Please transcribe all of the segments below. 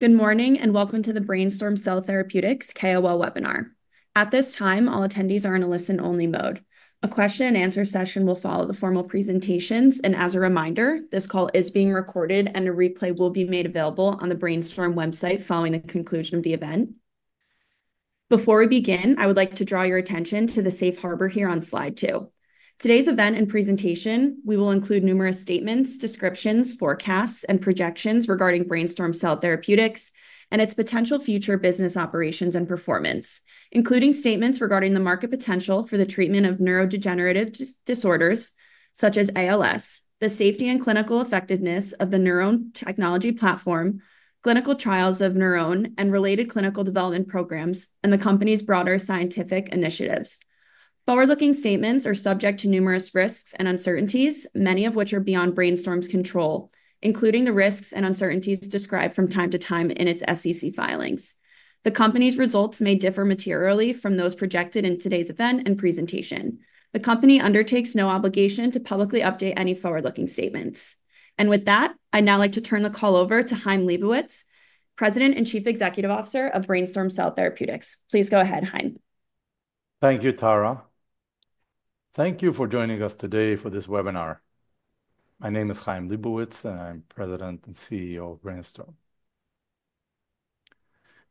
Good morning and welcome to the BrainStorm Cell Therapeutics KOL webinar. At this time, all attendees are in a listen-only mode. A question-and-answer session will follow the formal presentations, and as a reminder, this call is being recorded and a replay will be made available on the BrainStorm website following the conclusion of the event. Before we begin, I would like to draw your attention to the Safe Harbor here on slide two. Today's event and presentation will include numerous statements, descriptions, forecasts, and projections regarding BrainStorm Cell Therapeutics and its potential future business operations and performance, including statements regarding the market potential for the treatment of neurodegenerative disorders such as ALS, the safety and clinical effectiveness of the NurOwn technology platform, clinical trials of NurOwn and related clinical development programs, and the company's broader scientific initiatives. Forward-looking statements are subject to numerous risks and uncertainties, many of which are beyond BrainStorm's control, including the risks and uncertainties described from time to time in its SEC filings. The company's results may differ materially from those projected in today's event and presentation. The company undertakes no obligation to publicly update any forward-looking statements, and with that, I'd now like to turn the call over to Chaim Lebovits, President and Chief Executive Officer of BrainStorm Cell Therapeutics. Please go ahead, Chaim. Thank you, Tara. Thank you for joining us today for this webinar. My name is Chaim Lebovits, and I'm President and CEO of BrainStorm.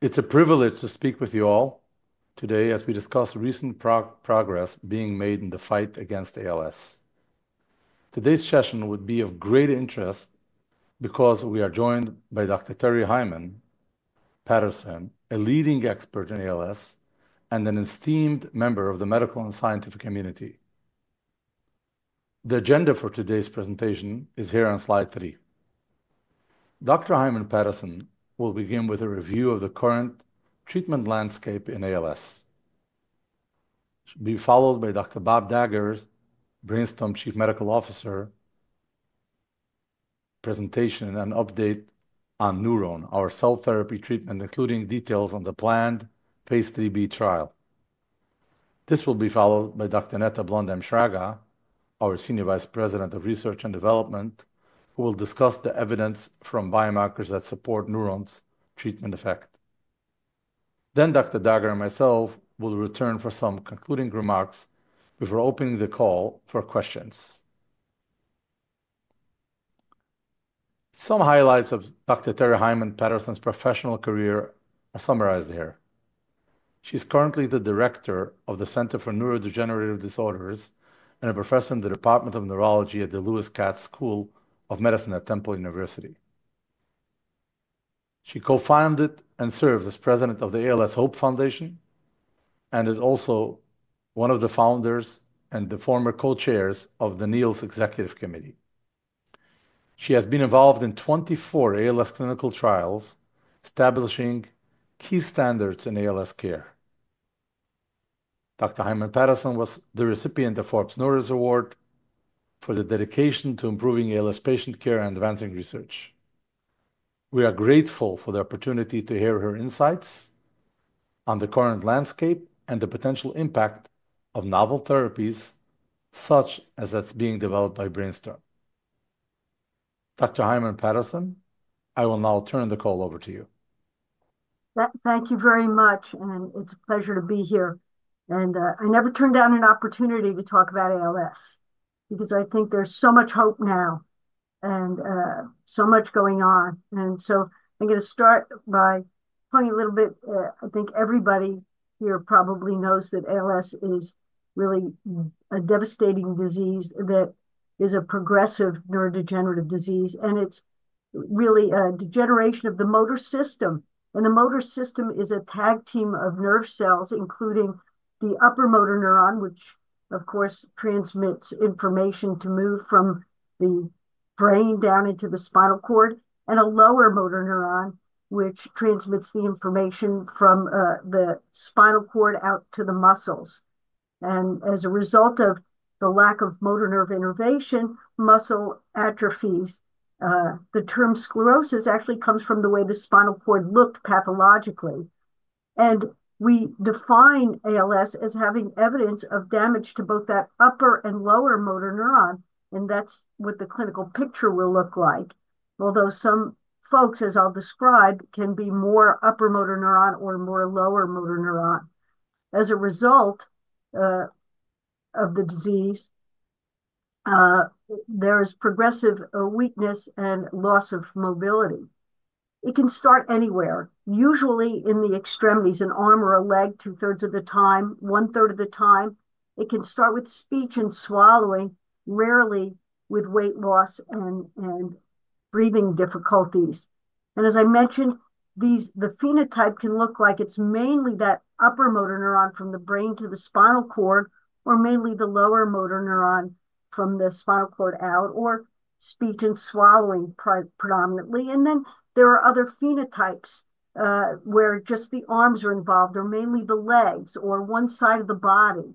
It's a privilege to speak with you all today as we discuss recent progress being made in the fight against ALS. Today's session would be of great interest because we are joined by Dr. Terry Heiman-Patterson, a leading expert in ALS and an esteemed member of the medical and scientific community. The agenda for today's presentation is here on slide three. Dr. Terry Heiman-Patterson will begin with a review of the current treatment landscape in ALS. It will be followed by Dr. Bob Dagher, BrainStorm's Chief Medical Officer, presentation and update on NurOwn, our cell therapy treatment, including details on the planned phase III-B trial. This will be followed by Dr. Netta Blondheim-Shraga, our Senior Vice President of Research and Development, who will discuss the evidence from biomarkers that support NurOwn's treatment effect. Then Dr. Dagher and myself will return for some concluding remarks before opening the call for questions. Some highlights of Dr. Terry Heiman-Patterson's professional career are summarized here. She's currently the Director of the Center for Neurodegenerative Disorders and a Professor in the Department of Neurology at the Lewis Katz School of Medicine at Temple University. She co-founded and serves as President of the ALS Hope Foundation and is also one of the founders and the former co-chairs of the NEALS Executive Committee. She has been involved in 24 ALS clinical trials, establishing key standards in ALS care. Dr. Terry Heiman-Patterson was the recipient of Forbes Neuroscience Award for the dedication to improving ALS patient care and advancing research. We are grateful for the opportunity to hear her insights on the current landscape and the potential impact of novel therapies such as that's being developed by BrainStorm. Dr. Heiman-Patterson, I will now turn the call over to you. Thank you very much, and it's a pleasure to be here. And I never turned down an opportunity to talk about ALS because I think there's so much hope now and so much going on. And so I'm going to start by talking a little bit. I think everybody here probably knows that ALS is really a devastating disease that is a progressive neurodegenerative disease, and it's really a degeneration of the motor system. And the motor system is a tag team of nerve cells, including the upper motor neuron, which of course transmits information to move from the brain down into the spinal cord, and a lower motor neuron, which transmits the information from the spinal cord out to the muscles. And as a result of the lack of motor nerve innervation, muscle atrophies, the term sclerosis actually comes from the way the spinal cord looked pathologically. We define ALS as having evidence of damage to both that upper and lower motor neuron, and that's what the clinical picture will look like. Although some folks, as I'll describe, can be more upper motor neuron or more lower motor neuron. As a result of the disease, there is progressive weakness and loss of mobility. It can start anywhere, usually in the extremities, an arm or a leg, two-thirds of the time, one-third of the time. It can start with speech and swallowing, rarely with weight loss and breathing difficulties. As I mentioned, the phenotype can look like it's mainly that upper motor neuron from the brain to the spinal cord, or mainly the lower motor neuron from the spinal cord out, or speech and swallowing predominantly. There are other phenotypes where just the arms are involved or mainly the legs or one side of the body.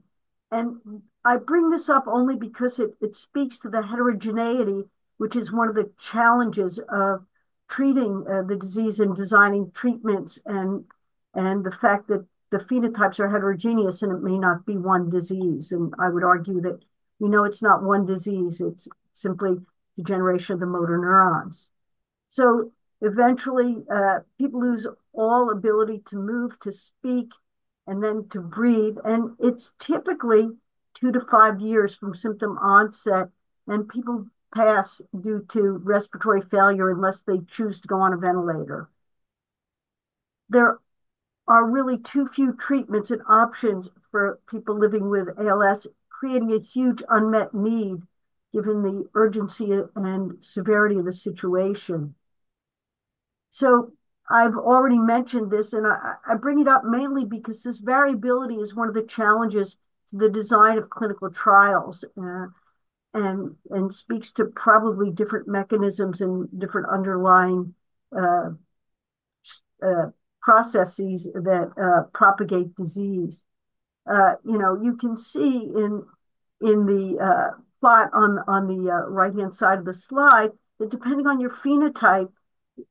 I bring this up only because it speaks to the heterogeneity, which is one of the challenges of treating the disease and designing treatments and the fact that the phenotypes are heterogeneous and it may not be one disease. I would argue that we know it's not one disease. It's simply degeneration of the motor neurons. Eventually people lose all ability to move, to speak, and then to breathe. It's typically two to five years from symptom onset, and people pass due to respiratory failure unless they choose to go on a ventilator. There are really too few treatments and options for people living with ALS, creating a huge unmet need given the urgency and severity of the situation. I've already mentioned this, and I bring it up mainly because this variability is one of the challenges to the design of clinical trials and speaks to probably different mechanisms and different underlying processes that propagate disease. You can see in the plot on the right-hand side of the slide that depending on your phenotype,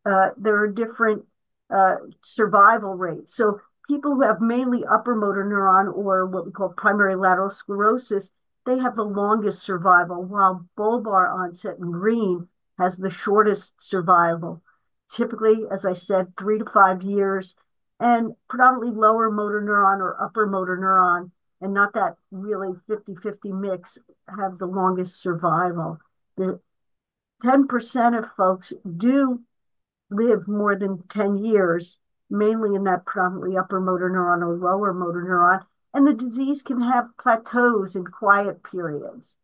there are different survival rates. People who have mainly upper motor neuron or what we call primary lateral sclerosis, they have the longest survival, while bulbar onset and green has the shortest survival. Typically, as I said, three to five years, and predominantly lower motor neuron or upper motor neuron and not that really 50/50 mix have the longest survival. 10% of folks do live more than 10 years, mainly in that predominantly upper motor neuron or lower motor neuron, and the disease can have plateaus and quiet periods.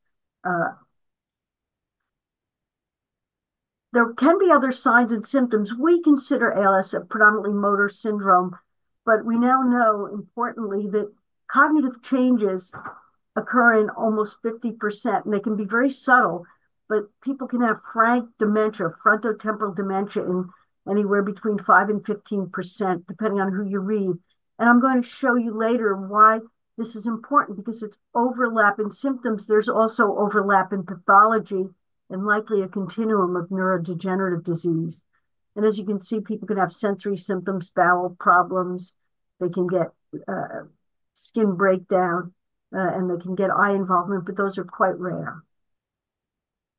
There can be other signs and symptoms. We consider ALS a predominantly motor syndrome, but we now know importantly that cognitive changes occur in almost 50%, and they can be very subtle, but people can have frank dementia, frontotemporal dementia in anywhere between 5% and 15%, depending on who you read, and I'm going to show you later why this is important because it's overlap in symptoms. There's also overlap in pathology and likely a continuum of neurodegenerative disease, and as you can see, people can have sensory symptoms, bowel problems, they can get skin breakdown, and they can get eye involvement, but those are quite rare.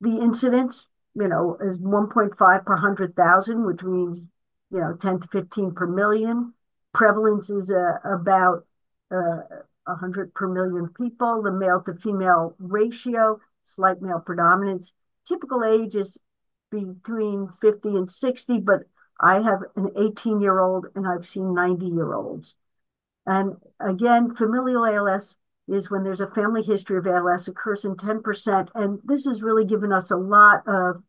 The incidence is 1.5 per 100,000, which means 10-15 per million. Prevalence is about 100 per million people, the male-to-female ratio, slight male predominance. Typical age is between 50-60, but I have an 18-year-old and I've seen 90-year-olds. Again, familial ALS is when there's a family history of ALS, occurs in 10%. This has really given us a lot of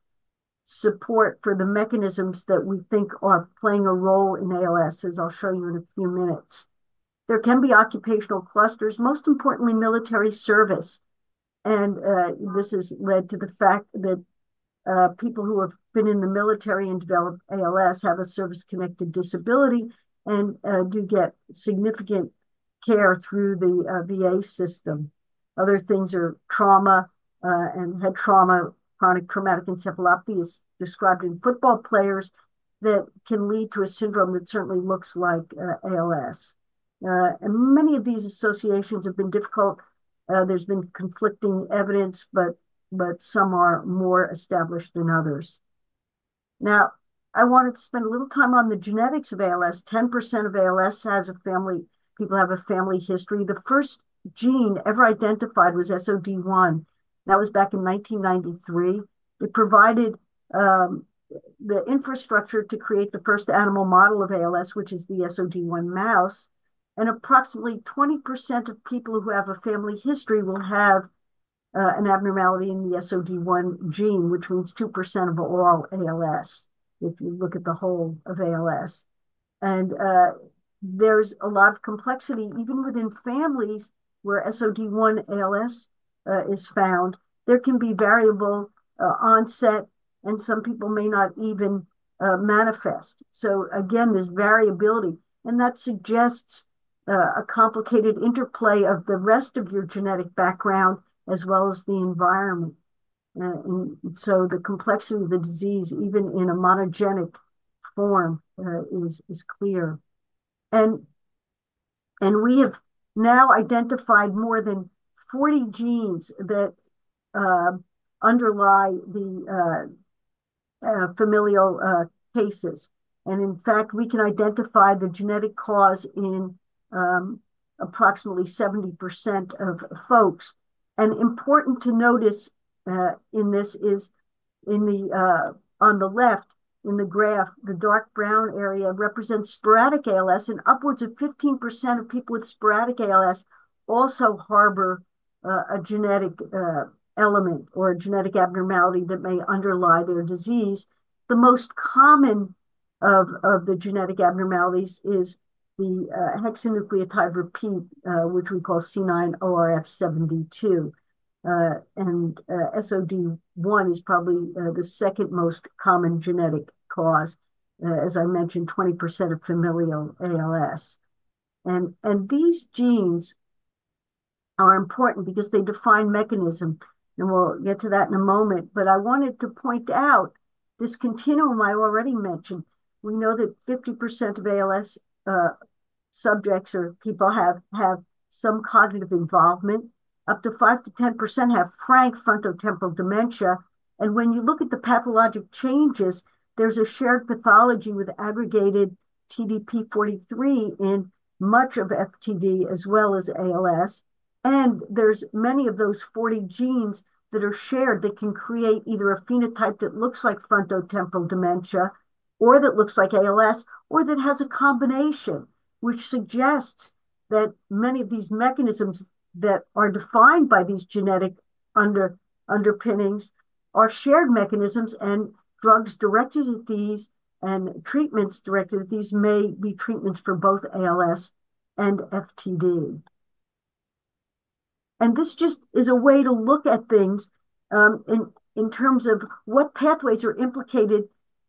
support for the mechanisms that we think are playing a role in ALS, as I'll show you in a few minutes. There can be occupational clusters, most importantly, military service. This has led to the fact that people who have been in the military and developed ALS have a service-connected disability and do get significant care through the VA system. Other things are trauma and head trauma, chronic traumatic encephalopathy as described in football players that can lead to a syndrome that certainly looks like ALS. Many of these associations have been difficult. There's been conflicting evidence, but some are more established than others. Now, I wanted to spend a little time on the genetics of ALS. 10% of ALS has a family. People have a family history. The first gene ever identified was SOD1. That was back in 1993. It provided the infrastructure to create the first animal model of ALS, which is the SOD1 mouse, and approximately 20% of people who have a family history will have an abnormality in the SOD1 gene, which means 2% of all ALS if you look at the whole of ALS, and there's a lot of complexity even within families where SOD1 ALS is found. There can be variable onset, and some people may not even manifest, so again, there's variability, and that suggests a complicated interplay of the rest of your genetic background as well as the environment, and so the complexity of the disease, even in a monogenic form, is clear, and we have now identified more than 40 genes that underlie the familial cases. And in fact, we can identify the genetic cause in approximately 70% of folks. And important to notice in this is on the left in the graph, the dark brown area represents sporadic ALS, and upwards of 15% of people with sporadic ALS also harbor a genetic element or a genetic abnormality that may underlie their disease. The most common of the genetic abnormalities is the hexanucleotide repeat, which we call C9ORF72. And SOD1 is probably the second most common genetic cause, as I mentioned, 20% of familial ALS. And these genes are important because they define mechanism, and we'll get to that in a moment. But I wanted to point out this continuum I already mentioned. We know that 50% of ALS subjects or people have some cognitive involvement. Up to 5%-10% have frank frontotemporal dementia. When you look at the pathologic changes, there's a shared pathology with aggregated TDP-43 in much of FTD as well as ALS. There's many of those 40 genes that are shared that can create either a phenotype that looks like frontotemporal dementia or that looks like ALS or that has a combination, which suggests that many of these mechanisms that are defined by these genetic underpinnings are shared mechanisms. Drugs directed at these and treatments directed at these may be treatments for both ALS and FTD. This just is a way to look at things in terms of what pathways are implicated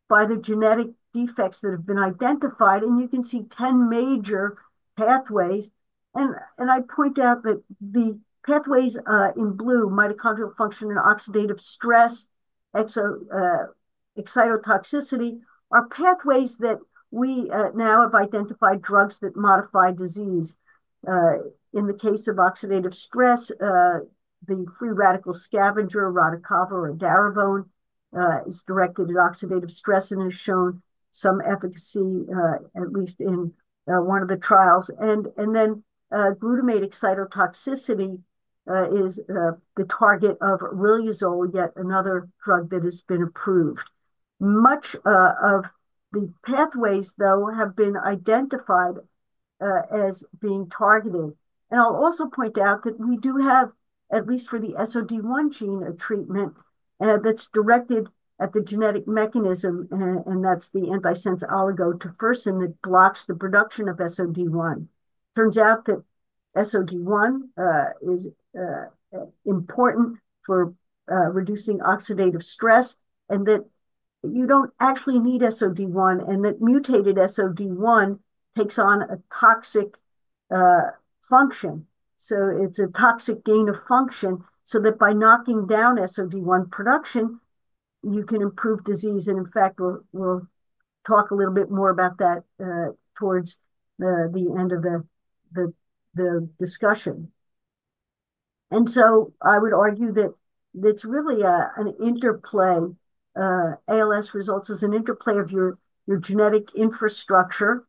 by the genetic defects that have been identified. You can see 10 major pathways. I point out that the pathways in blue, mitochondrial function and oxidative stress, excitotoxicity are pathways that we now have identified drugs that modify disease. In the case of oxidative stress, the free radical scavenger, Radicava, or edaravone is directed at oxidative stress and has shown some efficacy, at least in one of the trials. Then glutamate excitotoxicity is the target of riluzole, yet another drug that has been approved. Much of the pathways, though, have been identified as being targeted. I'll also point out that we do have, at least for the SOD1 gene, a treatment that's directed at the genetic mechanism, and that's the antisense oligo, tofersen, that blocks the production of SOD1. Turns out that SOD1 is important for reducing oxidative stress and that you don't actually need SOD1 and that mutated SOD1 takes on a toxic function. It's a toxic gain of function so that by knocking down SOD1 production, you can improve disease. And in fact, we'll talk a little bit more about that towards the end of the discussion. And so I would argue that it's really an interplay. ALS results as an interplay of your genetic infrastructure,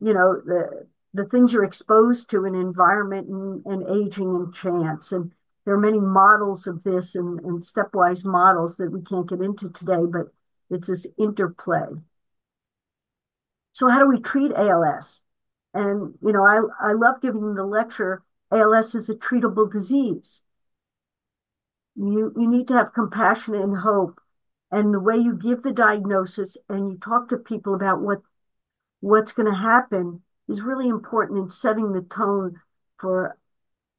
the things you're exposed to, an environment and aging and chance. And there are many models of this and stepwise models that we can't get into today, but it's this interplay. So how do we treat ALS? And I love giving the lecture, "ALS is a treatable disease." You need to have compassion and hope. And the way you give the diagnosis and you talk to people about what's going to happen is really important in setting the tone for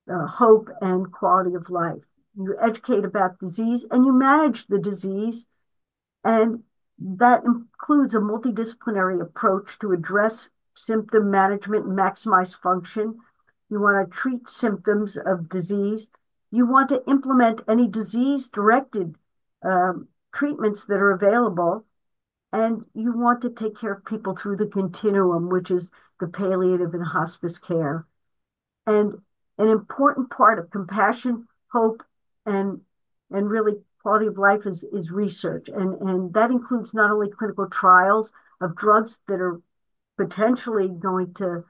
hope and quality of life. You educate about disease and you manage the disease. And that includes a multidisciplinary approach to address symptom management and maximize function. You want to treat symptoms of disease. You want to implement any disease-directed treatments that are available. And you want to take care of people through the continuum, which is the palliative and hospice care. And an important part of compassion, hope, and really quality of life is research. And that includes not only clinical trials of drugs that are potentially going to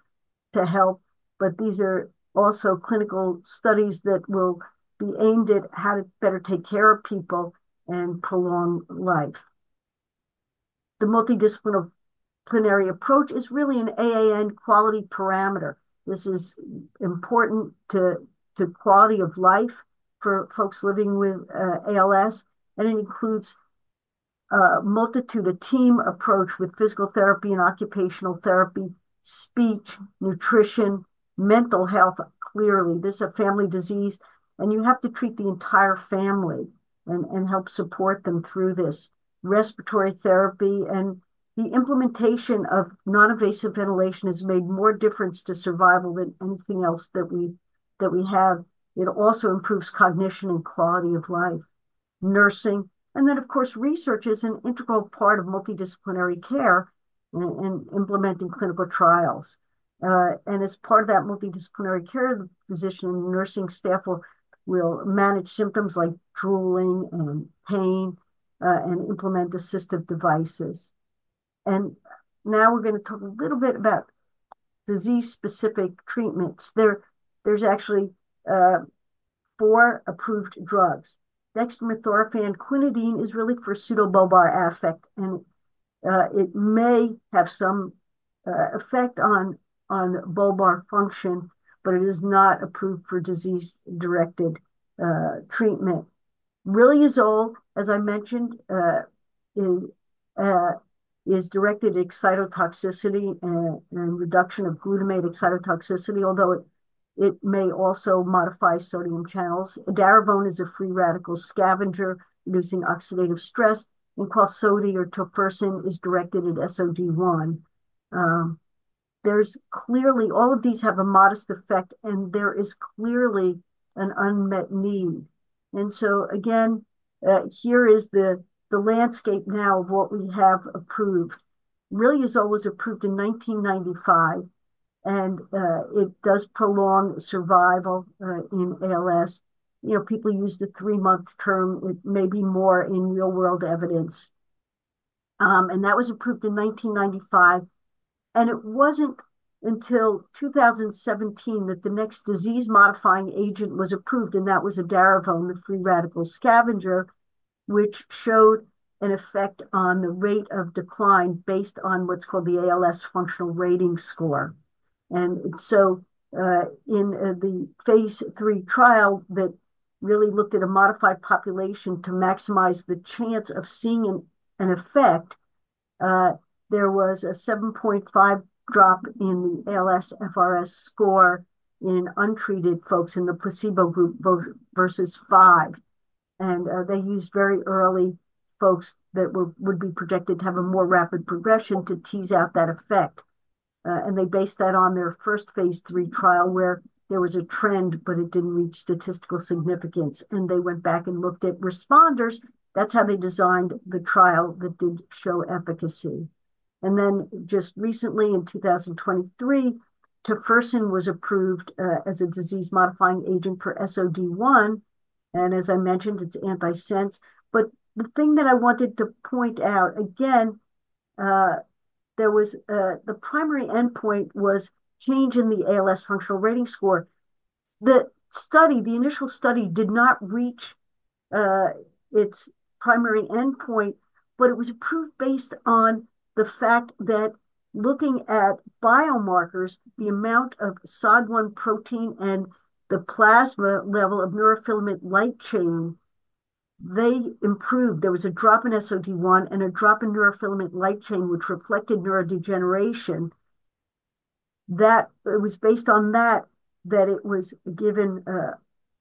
help, but these are also clinical studies that will be aimed at how to better take care of people and prolong life. The multidisciplinary approach is really an AAN quality parameter. This is important to quality of life for folks living with ALS. And it includes a multitude of team approach with physical therapy and occupational therapy, speech, nutrition, mental health clearly. This is a family disease, and you have to treat the entire family and help support them through this. Respiratory therapy and the implementation of non-invasive ventilation has made more difference to survival than anything else that we have. It also improves cognition and quality of life. Nursing. And then, of course, research is an integral part of multidisciplinary care and implementing clinical trials. And as part of that multidisciplinary care, the physician and nursing staff will manage symptoms like drooling and pain and implement assistive devices. And now we're going to talk a little bit about disease-specific treatments. There's actually four approved drugs. Dextromethorphan/quinidine is really for pseudobulbar affect, and it may have some effect on bulbar function, but it is not approved for disease-directed treatment. Riluzole, as I mentioned, is directed at excitotoxicity and reduction of glutamate excitotoxicity, although it may also modify sodium channels. Edaravone is a free radical scavenger reducing oxidative stress, and Qalsody or tofersen is directed at SOD1. There's clearly all of these have a modest effect, and there is clearly an unmet need. And so again, here is the landscape now of what we have approved. Riluzole was approved in 1995, and it does prolong survival in ALS. People use the three-month term. It may be more in real-world evidence. And that was approved in 1995. And it wasn't until 2017 that the next disease-modifying agent was approved, and that was edaravone, the free radical scavenger, which showed an effect on the rate of decline based on what's called the ALS Functional Rating Score. And so phase III trial that really looked at a modified population to maximize the chance of seeing an effect, there was a 7.5 drop in the ALSFRS score in untreated folks in the placebo group versus five. They used very early folks that would be projected to have a more rapid progression to tease out that effect. And they based that on their first phase III trial where there was a trend, but it didn't reach statistical significance. And they went back and looked at responders. That's how they designed the trial that did show efficacy. And then just recently in 2023, tofersen was approved as a disease-modifying agent for SOD1. And as I mentioned, it's antisense. But the thing that I wanted to point out, again, the primary endpoint was change in the ALS Functional Rating Score. The initial study did not reach its primary endpoint, but it was approved based on the fact that looking at biomarkers, the amount of SOD1 protein and the plasma level of neurofilament light chain, they improved. There was a drop in SOD1 and a drop in neurofilament light chain, which reflected neurodegeneration. It was based on that that it was given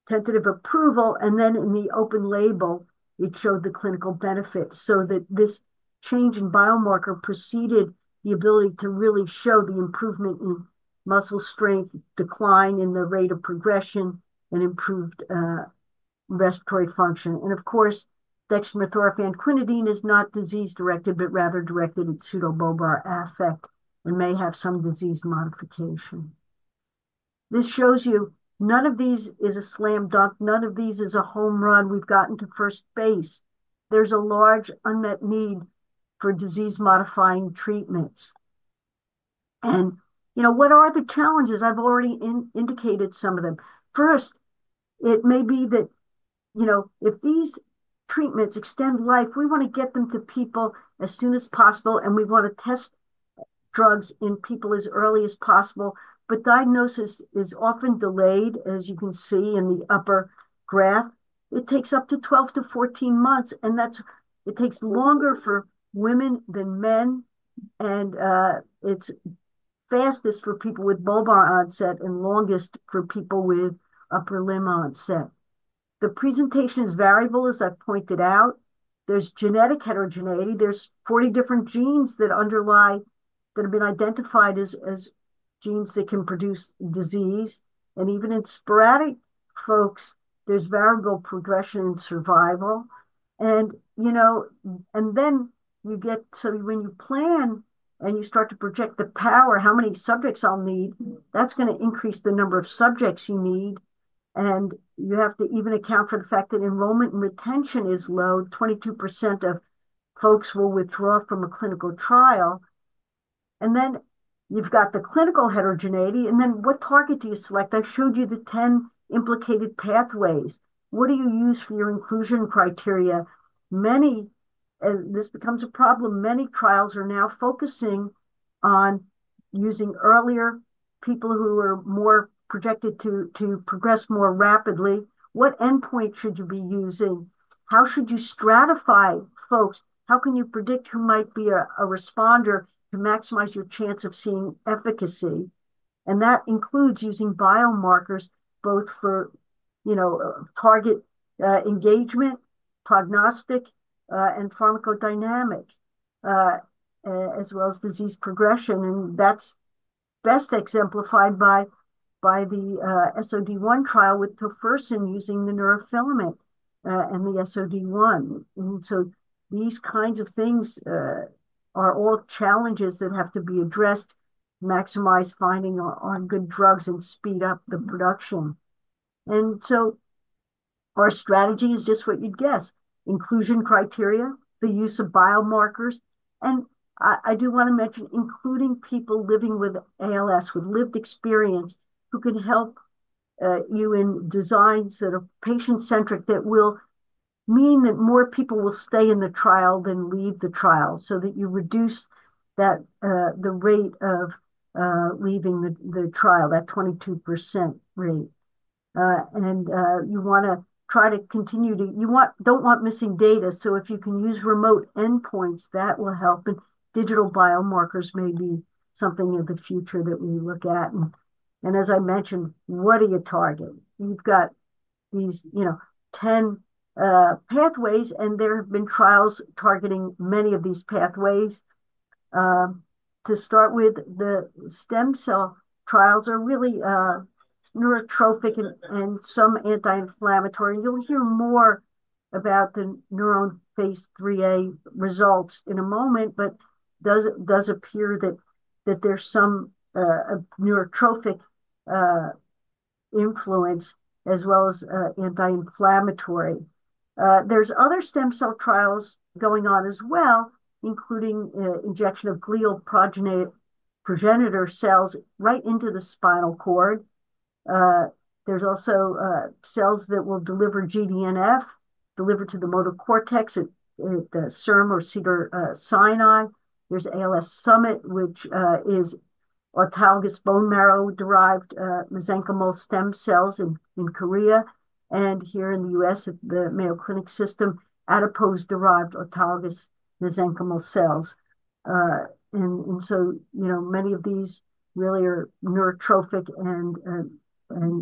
tentative approval, and then in the open label, it showed the clinical benefit, so that this change in biomarker preceded the ability to really show the improvement in muscle strength, decline in the rate of progression, and improved respiratory function, and of course, dextromethorphan/quinidine is not disease-directed, but rather directed at pseudobulbar affect and may have some disease modification. This shows you none of these is a slam dunk. None of these is a home run. We've gotten to first base. There's a large unmet need for disease-modifying treatments, and what are the challenges? I've already indicated some of them. First, it may be that if these treatments extend life, we want to get them to people as soon as possible, and we want to test drugs in people as early as possible. But diagnosis is often delayed, as you can see in the upper graph. It takes up to 12-14 months, and it takes longer for women than men. And it's fastest for people with bulbar onset and longest for people with upper limb onset. The presentation is variable, as I pointed out. There's genetic heterogeneity. There's 40 different genes that have been identified as genes that can produce disease. And even in sporadic folks, there's variable progression and survival. And then you get to when you plan and you start to project the power, how many subjects I'll need, that's going to increase the number of subjects you need. You have to even account for the fact that enrollment and retention is low. 22% of folks will withdraw from a clinical trial. Then you've got the clinical heterogeneity. Then what target do you select? I showed you the 10 implicated pathways. What do you use for your inclusion criteria? This becomes a problem. Many trials are now focusing on using earlier people who are more projected to progress more rapidly. What endpoint should you be using? How should you stratify folks? How can you predict who might be a responder to maximize your chance of seeing efficacy? That includes using biomarkers both for target engagement, prognostic, and pharmacodynamic, as well as disease progression. That's best exemplified by the SOD1 trial with tofersen using the neurofilament and the SOD1. And so these kinds of things are all challenges that have to be addressed to maximize funding on good drugs and speed up the production. And so our strategy is just what you'd guess: inclusion criteria, the use of biomarkers. And I do want to mention including people living with ALS with lived experience who can help you in designs that are patient-centric that will mean that more people will stay in the trial than leave the trial so that you reduce the rate of leaving the trial, that 22% rate. And you want to try to continue to. You don't want missing data. So if you can use remote endpoints, that will help. And digital biomarkers may be something in the future that we look at. And as I mentioned, what are you targeting? You've got these 10 pathways, and there have been trials targeting many of these pathways. To start with, the stem cell trials are really neurotrophic and some anti-inflammatory. You'll hear more about phase III-A results in a moment, but it does appear that there's some neurotrophic influence as well as anti-inflammatory. There's other stem cell trials going on as well, including injection of glial progenitor cells right into the spinal cord. There's also cells that will deliver GDNF, deliver to the motor cortex via the cisterna magna or Cedars-Sinai. There's Corestem, which is autologous bone marrow-derived mesenchymal stem cells in Korea. And here in the U.S., the Mayo Clinic system, adipose-derived autologous mesenchymal cells. And so many of these really are neurotrophic and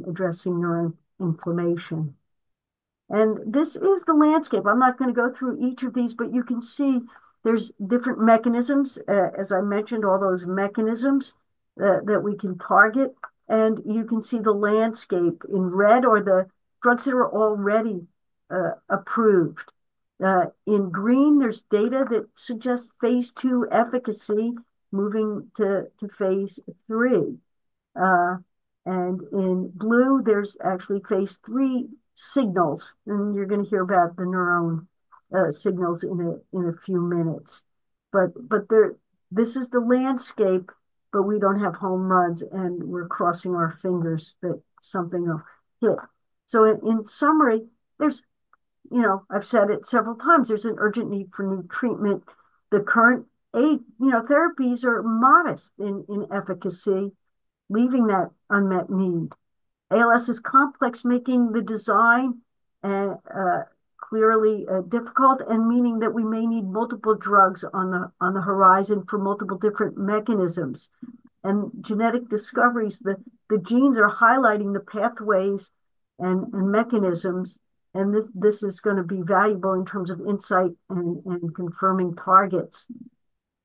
addressing neuroinflammation. And this is the landscape. I'm not going to go through each of these, but you can see there's different mechanisms, as I mentioned, all those mechanisms that we can target. And you can see the landscape. In red are the drugs that are already approved. In green, there's data that phase II efficacy phase III. and in blue, phase III signals. and you're going to hear about the NurOwn signals in a few minutes. But this is the landscape, but we don't have home runs, and we're crossing our fingers that something will hit. So in summary, I've said it several times, there's an urgent need for new treatment. The current therapies are modest in efficacy, leaving that unmet need. ALS is complex, making the design clearly difficult and meaning that we may need multiple drugs on the horizon for multiple different mechanisms. And genetic discoveries, the genes are highlighting the pathways and mechanisms. And this is going to be valuable in terms of insight and confirming targets.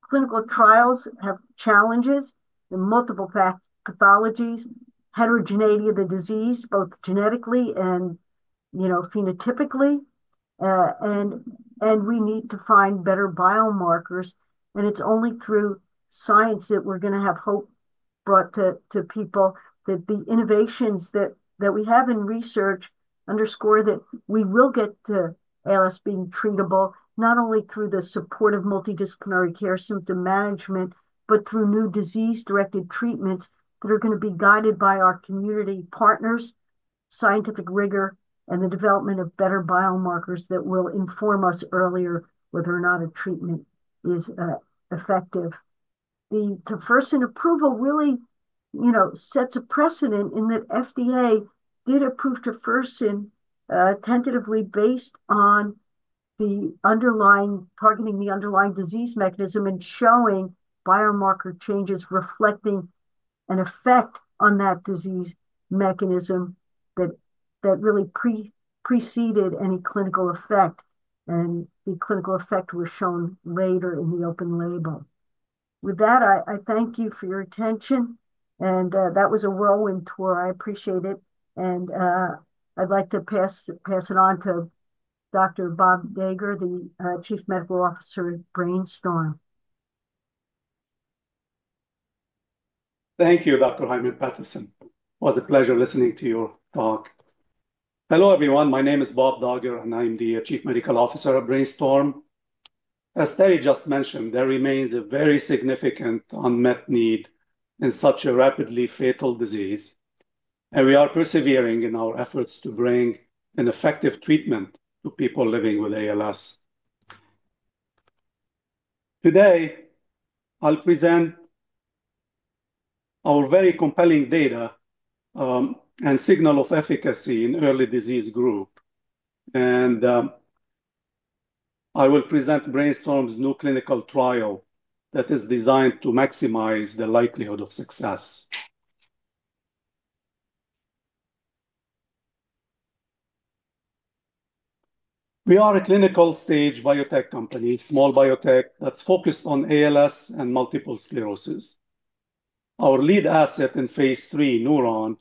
Clinical trials have challenges in multiple pathologies, heterogeneity of the disease, both genetically and phenotypically. And we need to find better biomarkers. And it's only through science that we're going to have hope brought to people that the innovations that we have in research underscore that we will get to ALS being treatable, not only through the support of multidisciplinary care symptom management, but through new disease-directed treatments that are going to be guided by our community partners, scientific rigor, and the development of better biomarkers that will inform us earlier whether or not a treatment is effective. The tofersen approval really sets a precedent in that FDA did approve tofersen tentatively based on targeting the underlying disease mechanism and showing biomarker changes reflecting an effect on that disease mechanism that really preceded any clinical effect. And the clinical effect was shown later in the open label. With that, I thank you for your attention, and that was a whirlwind tour. I appreciate it, and I'd like to pass it on to Dr. Bob Dagher, the Chief Medical Officer at BrainStorm. Thank you, Dr. Heiman-Patterson. It was a pleasure listening to your talk. Hello, everyone. My name is Bob Dagher, and I'm the Chief Medical Officer at BrainStorm. As Terry just mentioned, there remains a very significant unmet need in such a rapidly fatal disease, and we are persevering in our efforts to bring an effective treatment to people living with ALS. Today, I'll present our very compelling data and signal of efficacy in early disease group, and I will present BrainStorm's new clinical trial that is designed to maximize the likelihood of success. We are a clinical stage biotech company, small biotech that's focused on ALS and multiple sclerosis. Our lead phase III, NurOwn,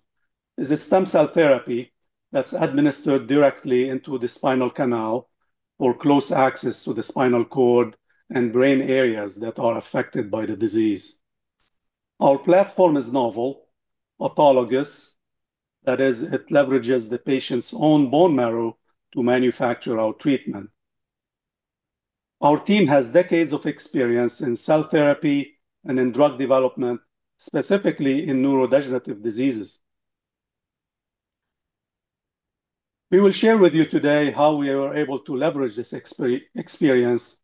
is a stem cell therapy that's administered directly into the spinal canal for close access to the spinal cord and brain areas that are affected by the disease. Our platform is novel, autologous. That is, it leverages the patient's own bone marrow to manufacture our treatment. Our team has decades of experience in cell therapy and in drug development, specifically in neurodegenerative diseases. We will share with you today how we were able to leverage this experience,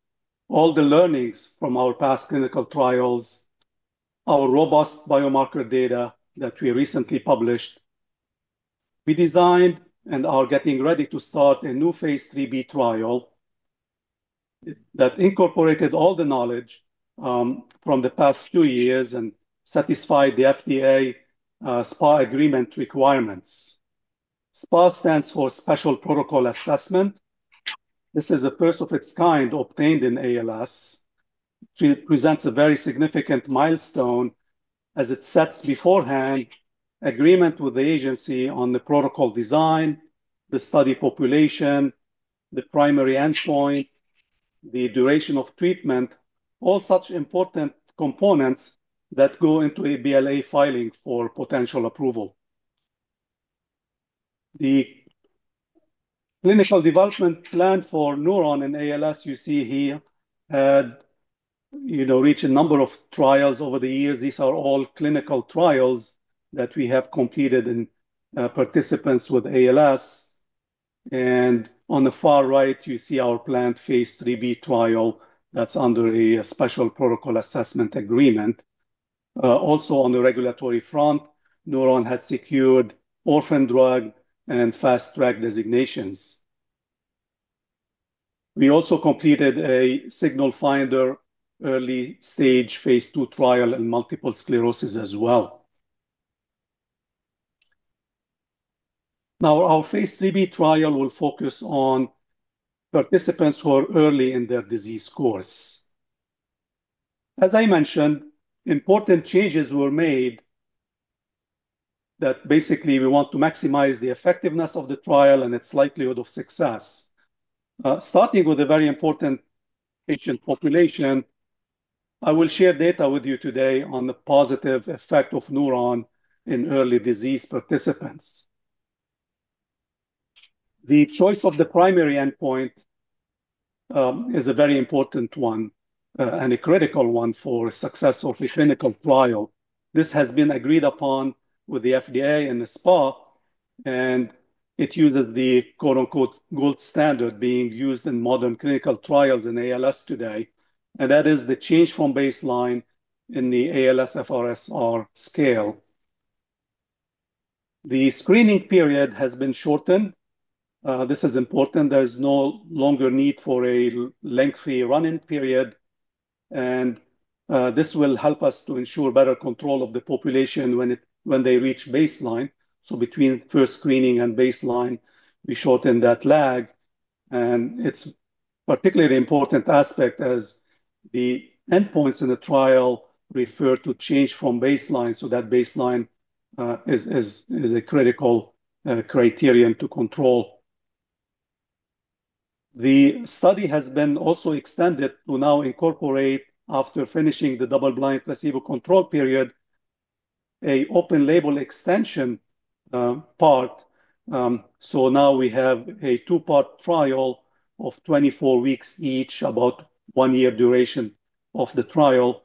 all the learnings from our past clinical trials, our robust biomarker data that we recently published. We designed and are getting ready to start a new phase III-B trial that incorporated all the knowledge from the past few years and satisfied the FDA SPA agreement requirements. SPA stands for Special Protocol Assessment. This is the first of its kind obtained in ALS. It presents a very significant milestone as it sets forth an agreement with the agency on the protocol design, the study population, the primary endpoint, the duration of treatment, all such important components that go into a BLA filing for potential approval. The clinical development plan for NurOwn and ALS you see here had reached a number of trials over the years. These are all clinical trials that we have completed in participants with ALS. And on the far right, you phase III-B trial that's under a special protocol assessment agreement. Also, on the regulatory front, NurOwn had secured orphan drug and fast track designations. We also completed a signal-finding phase II trial in multiple sclerosis as phase III-B trial will focus on participants who are early in their disease course. As I mentioned, important changes were made that basically we want to maximize the effectiveness of the trial and its likelihood of success. Starting with a very important patient population, I will share data with you today on the positive effect of NurOwn in early disease participants. The choice of the primary endpoint is a very important one and a critical one for success of the clinical trial. This has been agreed upon with the FDA and the SPA, and it uses the "gold standard" being used in modern clinical trials in ALS today, and that is the change from baseline in the ALSFRS-R scale. The screening period has been shortened. This is important. There is no longer need for a lengthy run-in period, and this will help us to ensure better control of the population when they reach baseline. So between first screening and baseline, we shorten that lag. And it's a particularly important aspect as the endpoints in the trial refer to change from baseline. So that baseline is a critical criterion to control. The study has been also extended to now incorporate, after finishing the double-blind placebo control period, an open label extension part. So now we have a two-part trial of 24 weeks each, about one-year duration of the trial.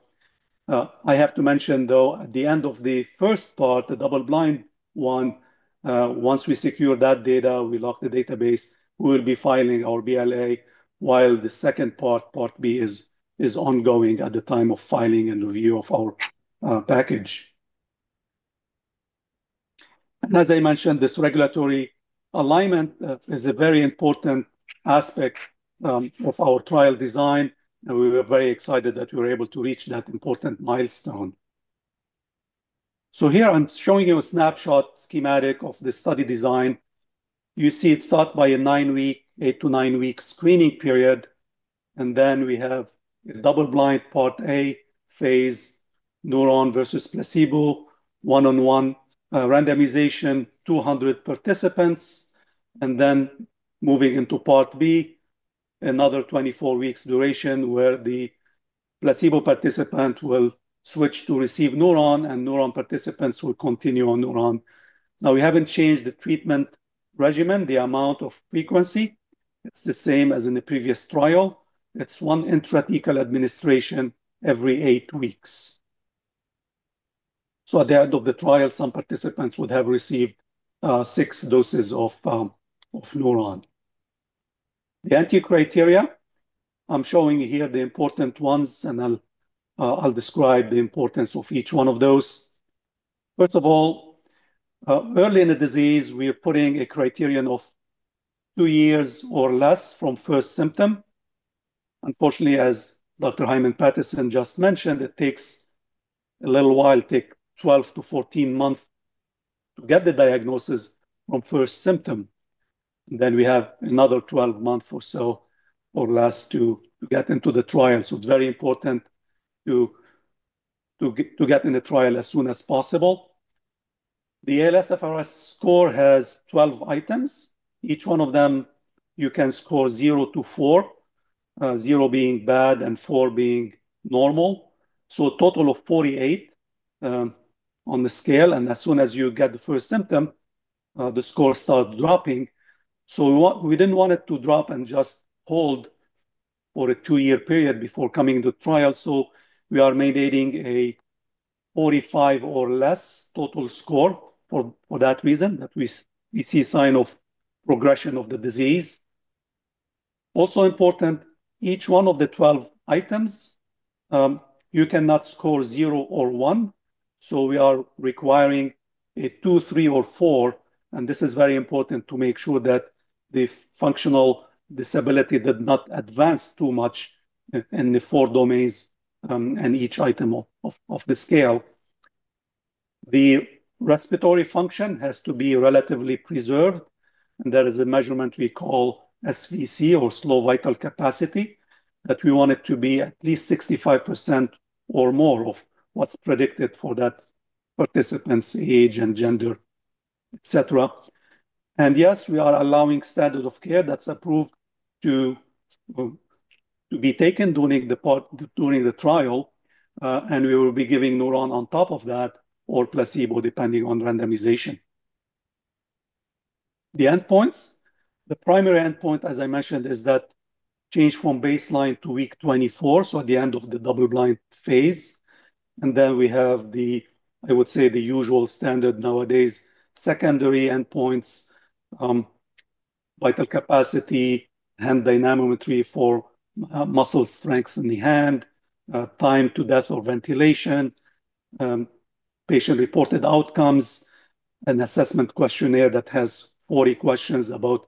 I have to mention, though, at the end of the first part, the double-blind one, once we secure that data, we lock the database, we will be filing our BLA while the second part, part B, is ongoing at the time of filing and review of our package. And as I mentioned, this regulatory alignment is a very important aspect of our trial design. We were very excited that we were able to reach that important milestone. Here, I'm showing you a snapshot schematic of the study design. You see it's followed by a nine-week, eight to nine-week screening period. Then we have a double-blind part A phase, NurOwn versus placebo, one-on-one randomization, 200 participants. Then moving into part B, another 24 weeks' duration where the placebo participant will switch to receive NurOwn, and NurOwn participants will continue on NurOwn. Now, we haven't changed the treatment regimen, the amount of frequency. It's the same as in the previous trial. It's one intrathecal administration every eight weeks. So at the end of the trial, some participants would have received six doses of NurOwn. The entry criteria, I'm showing here the important ones, and I'll describe the importance of each one of those. First of all, early in the disease, we are putting a criterion of two years or less from first symptom. Unfortunately, as Dr. Heiman-Patterson just mentioned, it takes a little while, 12 to 14 months to get the diagnosis from first symptom. And then we have another 12 months or so or less to get into the trial. So it's very important to get in the trial as soon as possible. The ALSFRS-R score has 12 items. Each one of them, you can score zero to four, zero being bad and four being normal. So a total of 48 on the scale. And as soon as you get the first symptom, the score starts dropping. So we didn't want it to drop and just hold for a two-year period before coming into trial. So we are mandating a 45 or less total score for that reason that we see signs of progression of the disease. Also important, each one of the 12 items, you cannot score zero or one. So we are requiring a two, three, or four. And this is very important to make sure that the functional disability did not advance too much in the four domains and each item of the scale. The respiratory function has to be relatively preserved. And there is a measurement we call SVC or slow vital capacity that we want it to be at least 65% or more of what's predicted for that participant's age and gender, etc. And yes, we are allowing standard of care that's approved to be taken during the trial. And we will be giving NurOwn on top of that or placebo depending on randomization. The endpoints, the primary endpoint, as I mentioned, is that change from baseline to week 24, so at the end of the double-blind phase. And then we have, I would say, the usual standard nowadays, secondary endpoints, vital capacity, hand dynamometry for muscle strength in the hand, time to death or ventilation, patient reported outcomes, an assessment questionnaire that has 40 questions about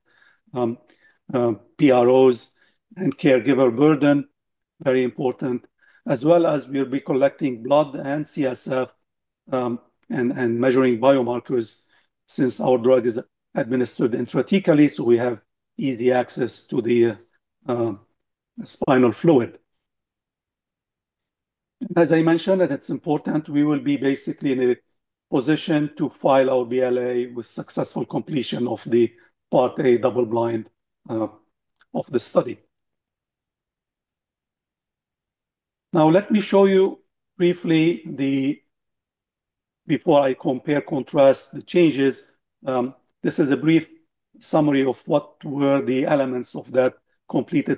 PROs and caregiver burden, very important. As well as we'll be collecting blood and CSF and measuring biomarkers since our drug is administered intrathecally. So we have easy access to the spinal fluid. As I mentioned, and it's important, we will be basically in a position to file our BLA with successful completion of the part A double-blind of the study. Now, let me show you briefly before I compare contrast the changes. This is a brief summary of what were the elements of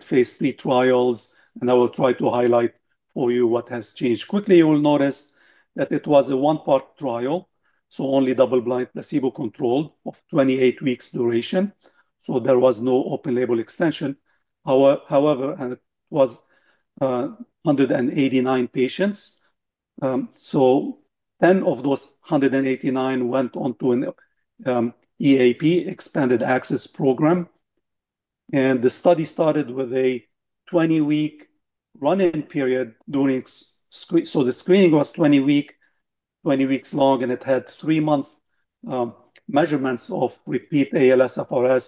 phase III trials, and I will try to highlight for you what has changed. Quickly, you will notice that it was a one-part trial, so only double-blind placebo controlled of 28 weeks' duration, so there was no open label extension. However, and it was 189 patients, so 10 of those 189 went on to an EAP, Expanded Access Program, and the study started with a 20-week run-in period during so the screening was 20 weeks long, and it had three-month measurements of repeat ALSFRS-R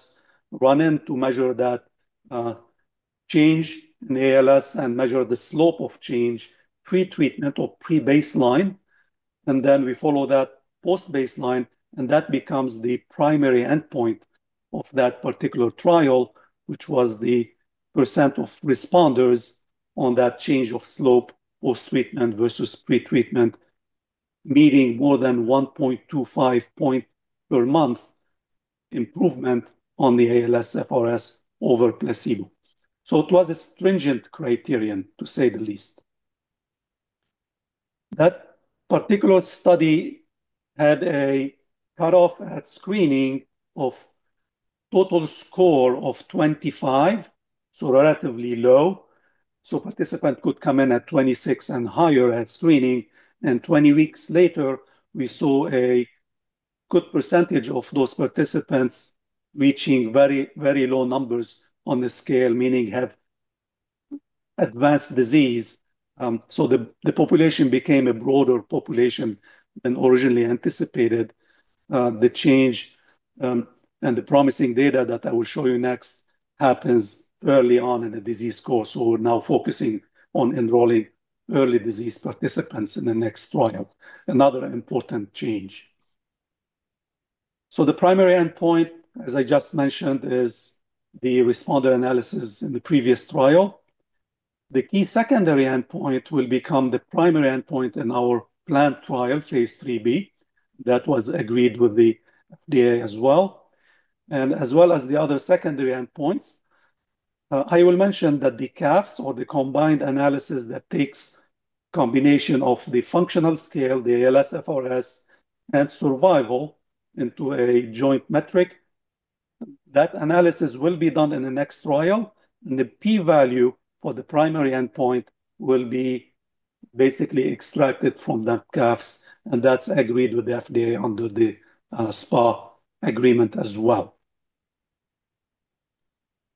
run-in to measure that change in ALS and measure the slope of change pre-treatment or pre-baseline. And then we follow that post-baseline, and that becomes the primary endpoint of that particular trial, which was the percent of responders on that change of slope post-treatment versus pre-treatment, meeting more than 1.25 point per month improvement on the ALSFRS over placebo. So it was a stringent criterion, to say the least. That particular study had a cutoff at screening of total score of 25, so relatively low. So participants could come in at 26 and higher at screening. And 20 weeks later, we saw a good percentage of those participants reaching very, very low numbers on the scale, meaning have advanced disease. So the population became a broader population than originally anticipated. The change and the promising data that I will show you next happens early on in the disease course. So we're now focusing on enrolling early disease participants in the next trial. Another important change. The primary endpoint, as I just mentioned, is the responder analysis in the previous trial. The key secondary endpoint will become the primary endpoint in phase III-B, that was agreed with the FDA as well. As well as the other secondary endpoints, I will mention that the CAFS or the combined analysis that takes a combination of the functional scale, the ALSFRS, and survival into a joint metric. That analysis will be done in the next trial. The p-value for the primary endpoint will be basically extracted from that CAFS. That's agreed with the FDA under the SPA agreement as well.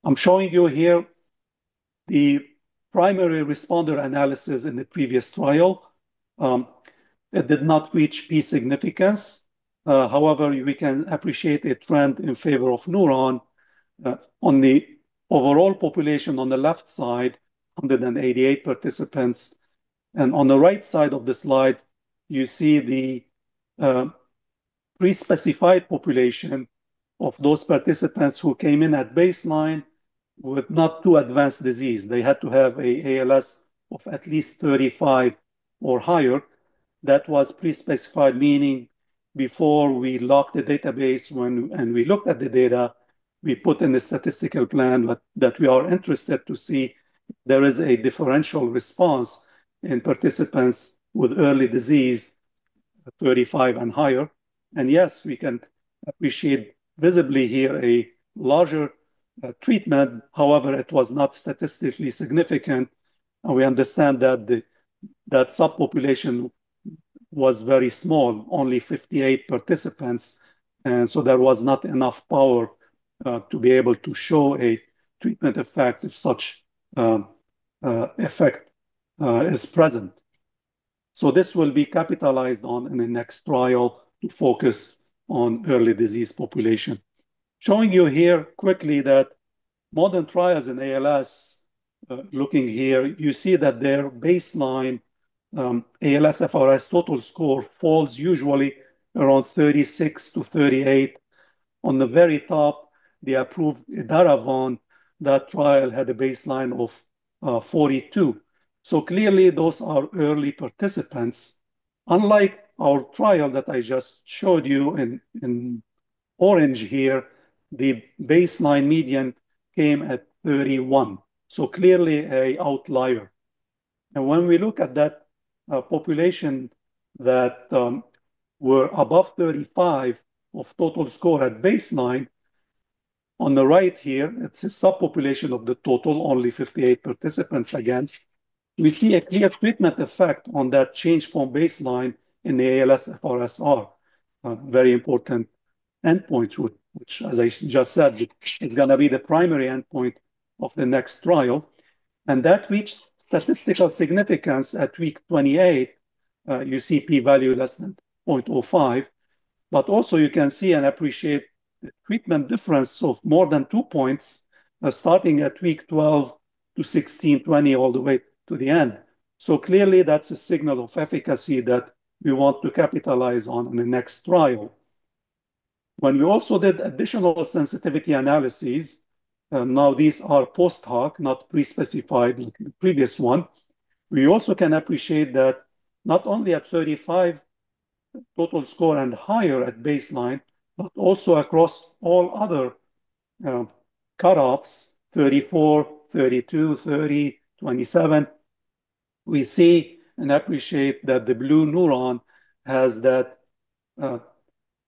I'm showing you here the primary responder analysis in the previous trial. It did not reach p significance. However, we can appreciate a trend in favor of NurOwn on the overall population on the left side, 188 participants. On the right side of the slide, you see the pre-specified population of those participants who came in at baseline with not too advanced disease. They had to have an ALSFRS-R of at least 35 or higher. That was pre-specified, meaning before we locked the database and we looked at the data, we put in the statistical plan that we are interested to see there is a differential response in participants with early disease, 35 and higher. Yes, we can appreciate visibly here a larger treatment. However, it was not statistically significant. We understand that that subpopulation was very small, only 58 participants. There was not enough power to be able to show a treatment effect if such effect is present. This will be capitalized on in the next trial to focus on early disease population. Showing you here quickly that modern trials in ALS. Looking here, you see that their baseline ALSFRS-R total score falls usually around 36-38. On the very top, the approved Radicava, that trial had a baseline of 42. So clearly, those are early participants. Unlike our trial that I just showed you in orange here, the baseline median came at 31. So clearly, an outlier. And when we look at that population that were above 35 of total score at baseline, on the right here, it's a subpopulation of the total, only 58 participants again. We see a clear treatment effect on that change from baseline in the ALSFRS-R. Very important endpoint, which, as I just said, is going to be the primary endpoint of the next trial. And that reached statistical significance at week 28. You see p-value less than 0.05. But also, you can see and appreciate the treatment difference of more than two points starting at week 12 to 16-20 all the way to the end. So clearly, that's a signal of efficacy that we want to capitalize on in the next trial. When we also did additional sensitivity analyses, now these are post-hoc, not pre-specified, like the previous one, we also can appreciate that not only at 35 total score and higher at baseline, but also across all other cutoffs, 34, 32, 30, 27, we see and appreciate that the blue NurOwn has that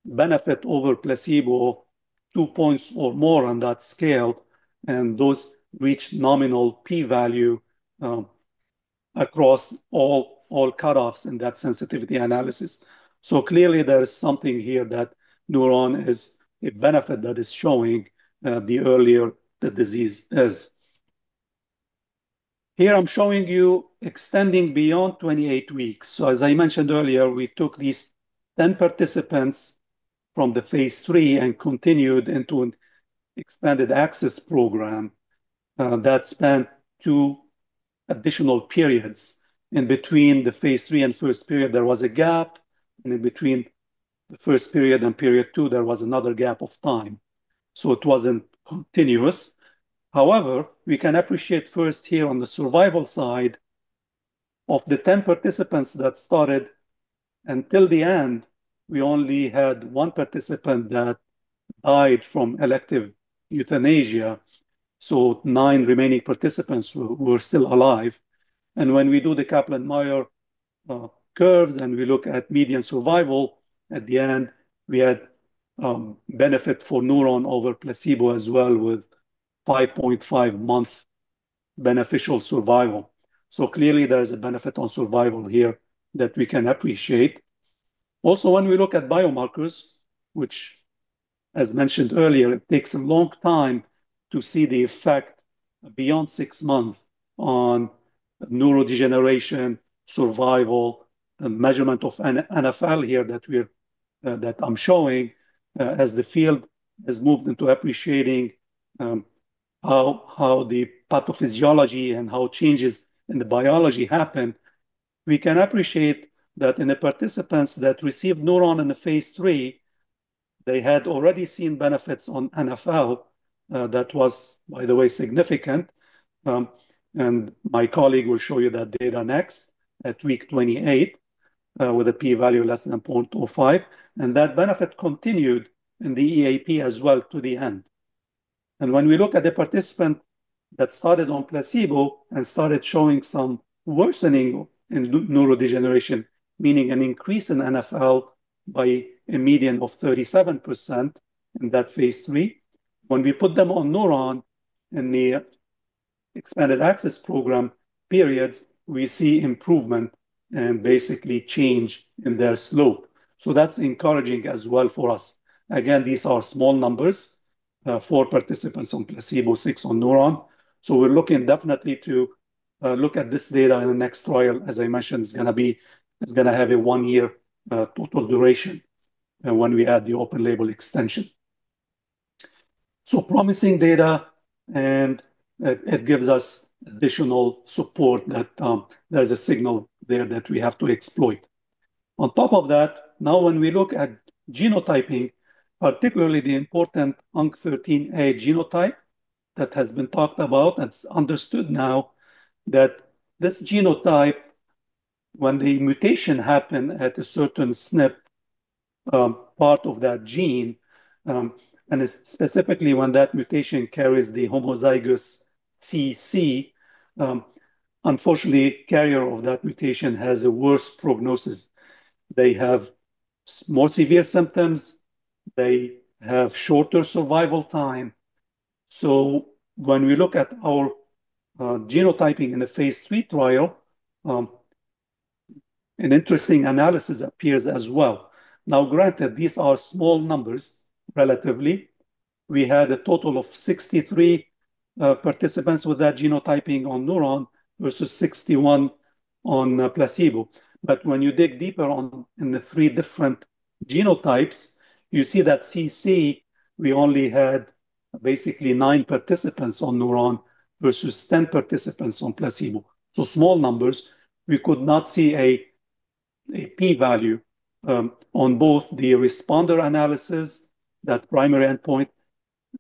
benefit over placebo, two points or more on that scale. And those reach nominal p-value across all cutoffs in that sensitivity analysis. So clearly, there is something here that NurOwn is a benefit that is showing the earlier the disease is. Here I'm showing you extending beyond 28 weeks. As I mentioned earlier, we took these 10 participants phase III and continued into an Expanded Access Program that spent two additional periods. In phase III and first period, there was a gap. In between the first period and period two, there was another gap of time. It wasn't continuous. However, we can appreciate first here on the survival side of the 10 participants that started until the end, we only had one participant that died from elective euthanasia. Nine remaining participants were still alive. When we do the Kaplan-Meier curves and we look at median survival, at the end, we had benefit for NurOwn over placebo as well with 5.5 months beneficial survival. Clearly, there is a benefit on survival here that we can appreciate. Also, when we look at biomarkers, which, as mentioned earlier, it takes a long time to see the effect beyond six months on neurodegeneration survival: the measurement of NfL here that I'm showing. As the field has moved into appreciating how the pathophysiology and how changes in the biology happen, we can appreciate that in the participants that received NurOwn phase III, they had already seen benefits on NfL. That was, by the way, significant, and my colleague will show you that data next at week 28 with a p-value less than 0.05, and that benefit continued in the EAP as well to the end. When we look at the participant that started on placebo and started showing some worsening in neurodegeneration, meaning an increase in NfL by a median of 37% phase III, when we put them on NurOwn in the Expanded Access Program periods, we see improvement and basically change in their slope, so that's encouraging as well for us. Again, these are small numbers for participants on placebo, six on NurOwn, so we're looking definitely to look at this data in the next trial. As I mentioned, it's going to have a one-year total duration when we add the open label extension, so promising data, and it gives us additional support that there's a signal there that we have to exploit. On top of that, now when we look at genotyping, particularly the important UNC13A genotype that has been talked about, it's understood now that this genotype, when the mutation happened at a certain SNP part of that gene, and specifically when that mutation carries the homozygous CC, unfortunately, the carrier of that mutation has a worse prognosis. They have more severe symptoms. They have shorter survival time. So when we look at our genotyping phase III trial, an interesting analysis appears as well. Now, granted, these are small numbers relatively. We had a total of 63 participants with that genotyping on NurOwn versus 61 on placebo. But when you dig deeper in the three different genotypes, you see that CC, we only had basically nine participants on NurOwn versus 10 participants on placebo. So small numbers. We could not see a p-value on both the responder analysis, that primary endpoint,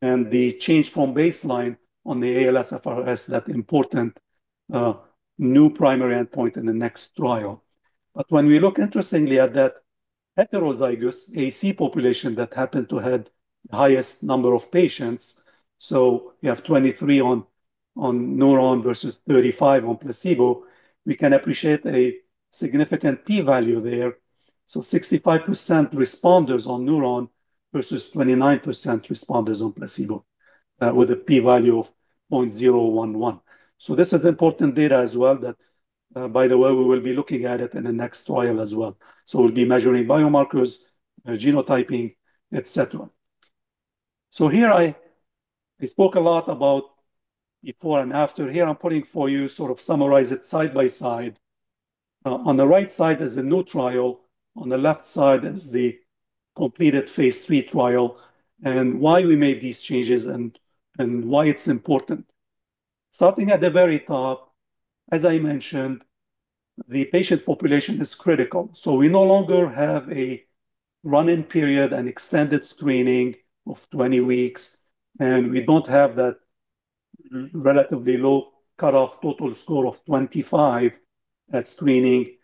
and the change from baseline on the ALSFRS, that important new primary endpoint in the next trial. But when we look interestingly at that heterozygous AC population that happened to have the highest number of patients, so you have 23 on NurOwn versus 35 on placebo, we can appreciate a significant p-value there. So 65% responders on NurOwn versus 29% responders on placebo with a p-value of 0.011. So this is important data as well that, by the way, we will be looking at it in the next trial as well. So we'll be measuring biomarkers, genotyping, etc. So here I spoke a lot about before and after. Here I'm putting for you sort of summarize it side by side. On the right side is a new trial. On the left side is phase III trial and why we made these changes and why it's important. Starting at the very top, as I mentioned, the patient population is critical. So we no longer have a run-in period and extended screening of 20 weeks. And we don't have that relatively low cutoff total score of 25 at screening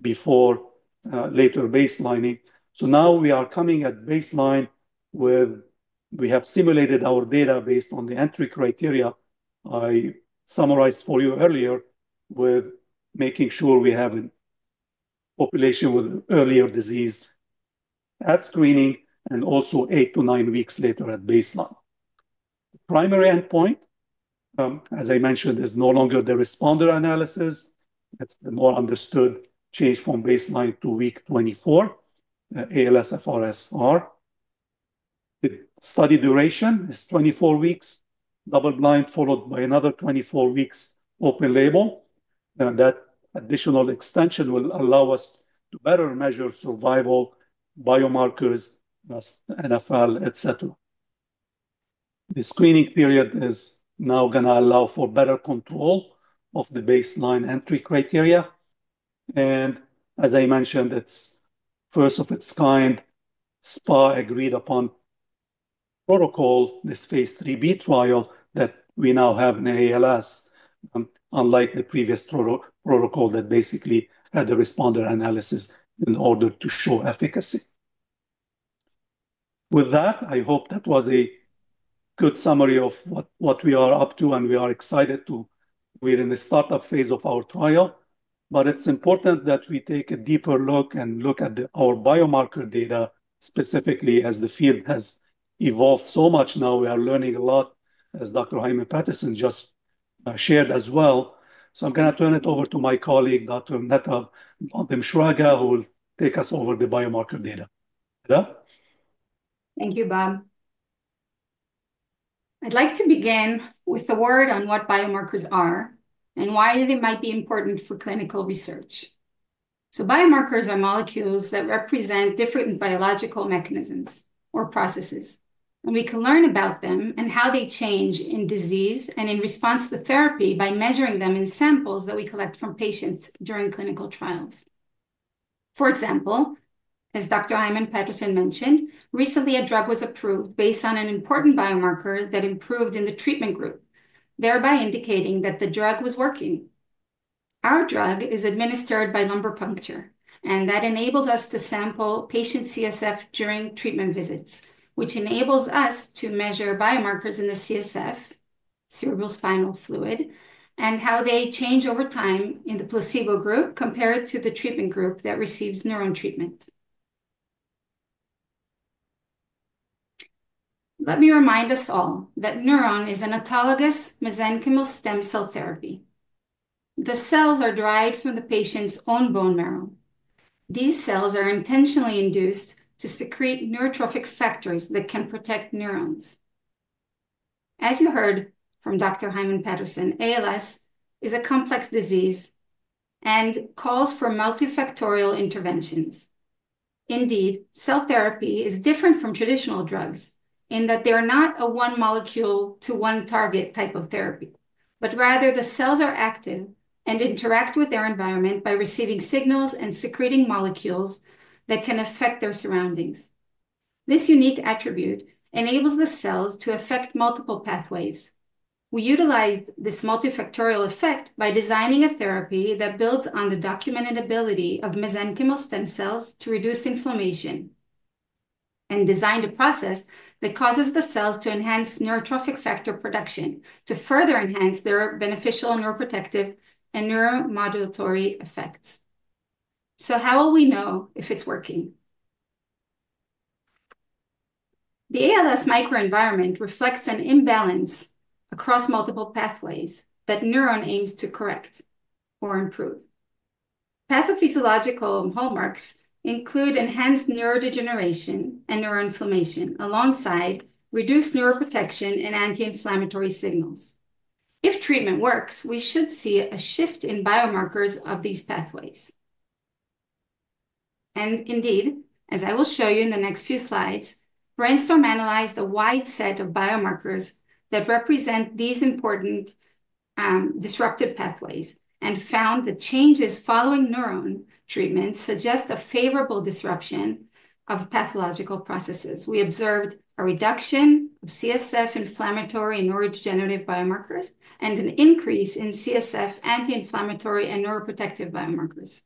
before later baselining. So now we are coming at baseline with we have simulated our data based on the entry criteria I summarized for you earlier with making sure we have a population with earlier disease at screening and also eight to nine weeks later at baseline. The primary endpoint, as I mentioned, is no longer the responder analysis. It's the more understood change from baseline to week 24, ALSFRS-R. The study duration is 24 weeks, double-blind followed by another 24 weeks open label. That additional extension will allow us to better measure survival, biomarkers, NfL, etc. The screening period is now going to allow for better control of the baseline entry criteria. And as I mentioned, it's first of its kind, SPA phase III-B trial that we now have in ALS, unlike the previous protocol that basically had the responder analysis in order to show efficacy. With that, I hope that was a good summary of what we are up to. And we are excited to be in the startup phase of our trial. But it's important that we take a deeper look and look at our biomarker data specifically as the field has evolved so much now. We are learning a lot, as Dr. Heiman-Patterson just shared as well. So I'm going to turn it over to my colleague, Dr. Netta Blondheim-Shraga, who will take us over the biomarker data. Thank you, Bob. I'd like to begin with a word on what biomarkers are and why they might be important for clinical research. Biomarkers are molecules that represent different biological mechanisms or processes. We can learn about them and how they change in disease and in response to therapy by measuring them in samples that we collect from patients during clinical trials. For example, as Dr. Heiman-Patterson mentioned, recently a drug was approved based on an important biomarker that improved in the treatment group, thereby indicating that the drug was working. Our drug is administered by lumbar puncture, and that enables us to sample patient CSF during treatment visits, which enables us to measure biomarkers in the CSF, cerebrospinal fluid, and how they change over time in the placebo group compared to the treatment group that receives NurOwn treatment. Let me remind us all that NurOwn is an autologous mesenchymal stem cell therapy. The cells are derived from the patient's own bone marrow. These cells are intentionally induced to secrete neurotrophic factors that can protect neurons. As you heard from Dr. Heiman-Patterson, ALS is a complex disease and calls for multifactorial interventions. Indeed, cell therapy is different from traditional drugs in that they are not a one molecule to one target type of therapy, but rather the cells are active and interact with their environment by receiving signals and secreting molecules that can affect their surroundings. This unique attribute enables the cells to affect multiple pathways. We utilize this multifactorial effect by designing a therapy that builds on the documented ability of mesenchymal stem cells to reduce inflammation and designed a process that causes the cells to enhance neurotrophic factor production to further enhance their beneficial neuroprotective and neuromodulatory effects. So how will we know if it's working? The ALS microenvironment reflects an imbalance across multiple pathways that NurOwn aims to correct or improve. Pathophysiological hallmarks include enhanced neurodegeneration and neuroinflammation alongside reduced neuroprotection and anti-inflammatory signals. If treatment works, we should see a shift in biomarkers of these pathways. And indeed, as I will show you in the next few slides, BrainStorm analyzed a wide set of biomarkers that represent these important disruptive pathways and found that changes following NurOwn treatment suggest a favorable disruption of pathological processes. We observed a reduction of CSF inflammatory and neurodegenerative biomarkers and an increase in CSF anti-inflammatory and neuroprotective biomarkers.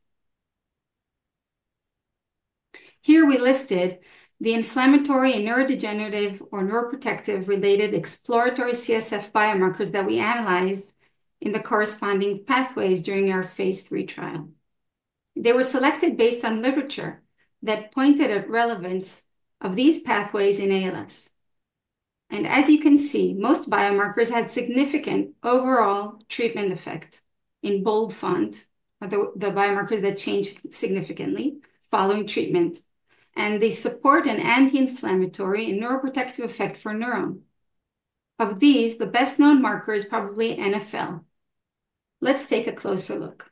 Here we listed the inflammatory and neurodegenerative or neuroprotective-related exploratory CSF biomarkers that we analyzed in the corresponding pathways phase III trial. they were selected based on literature that pointed at relevance of these pathways in ALS. As you can see, most biomarkers had significant overall treatment effect. In bold font, the biomarkers that changed significantly following treatment, and they support an anti-inflammatory and neuroprotective effect for NurOwn. Of these, the best-known marker is probably NfL. Let's take a closer look.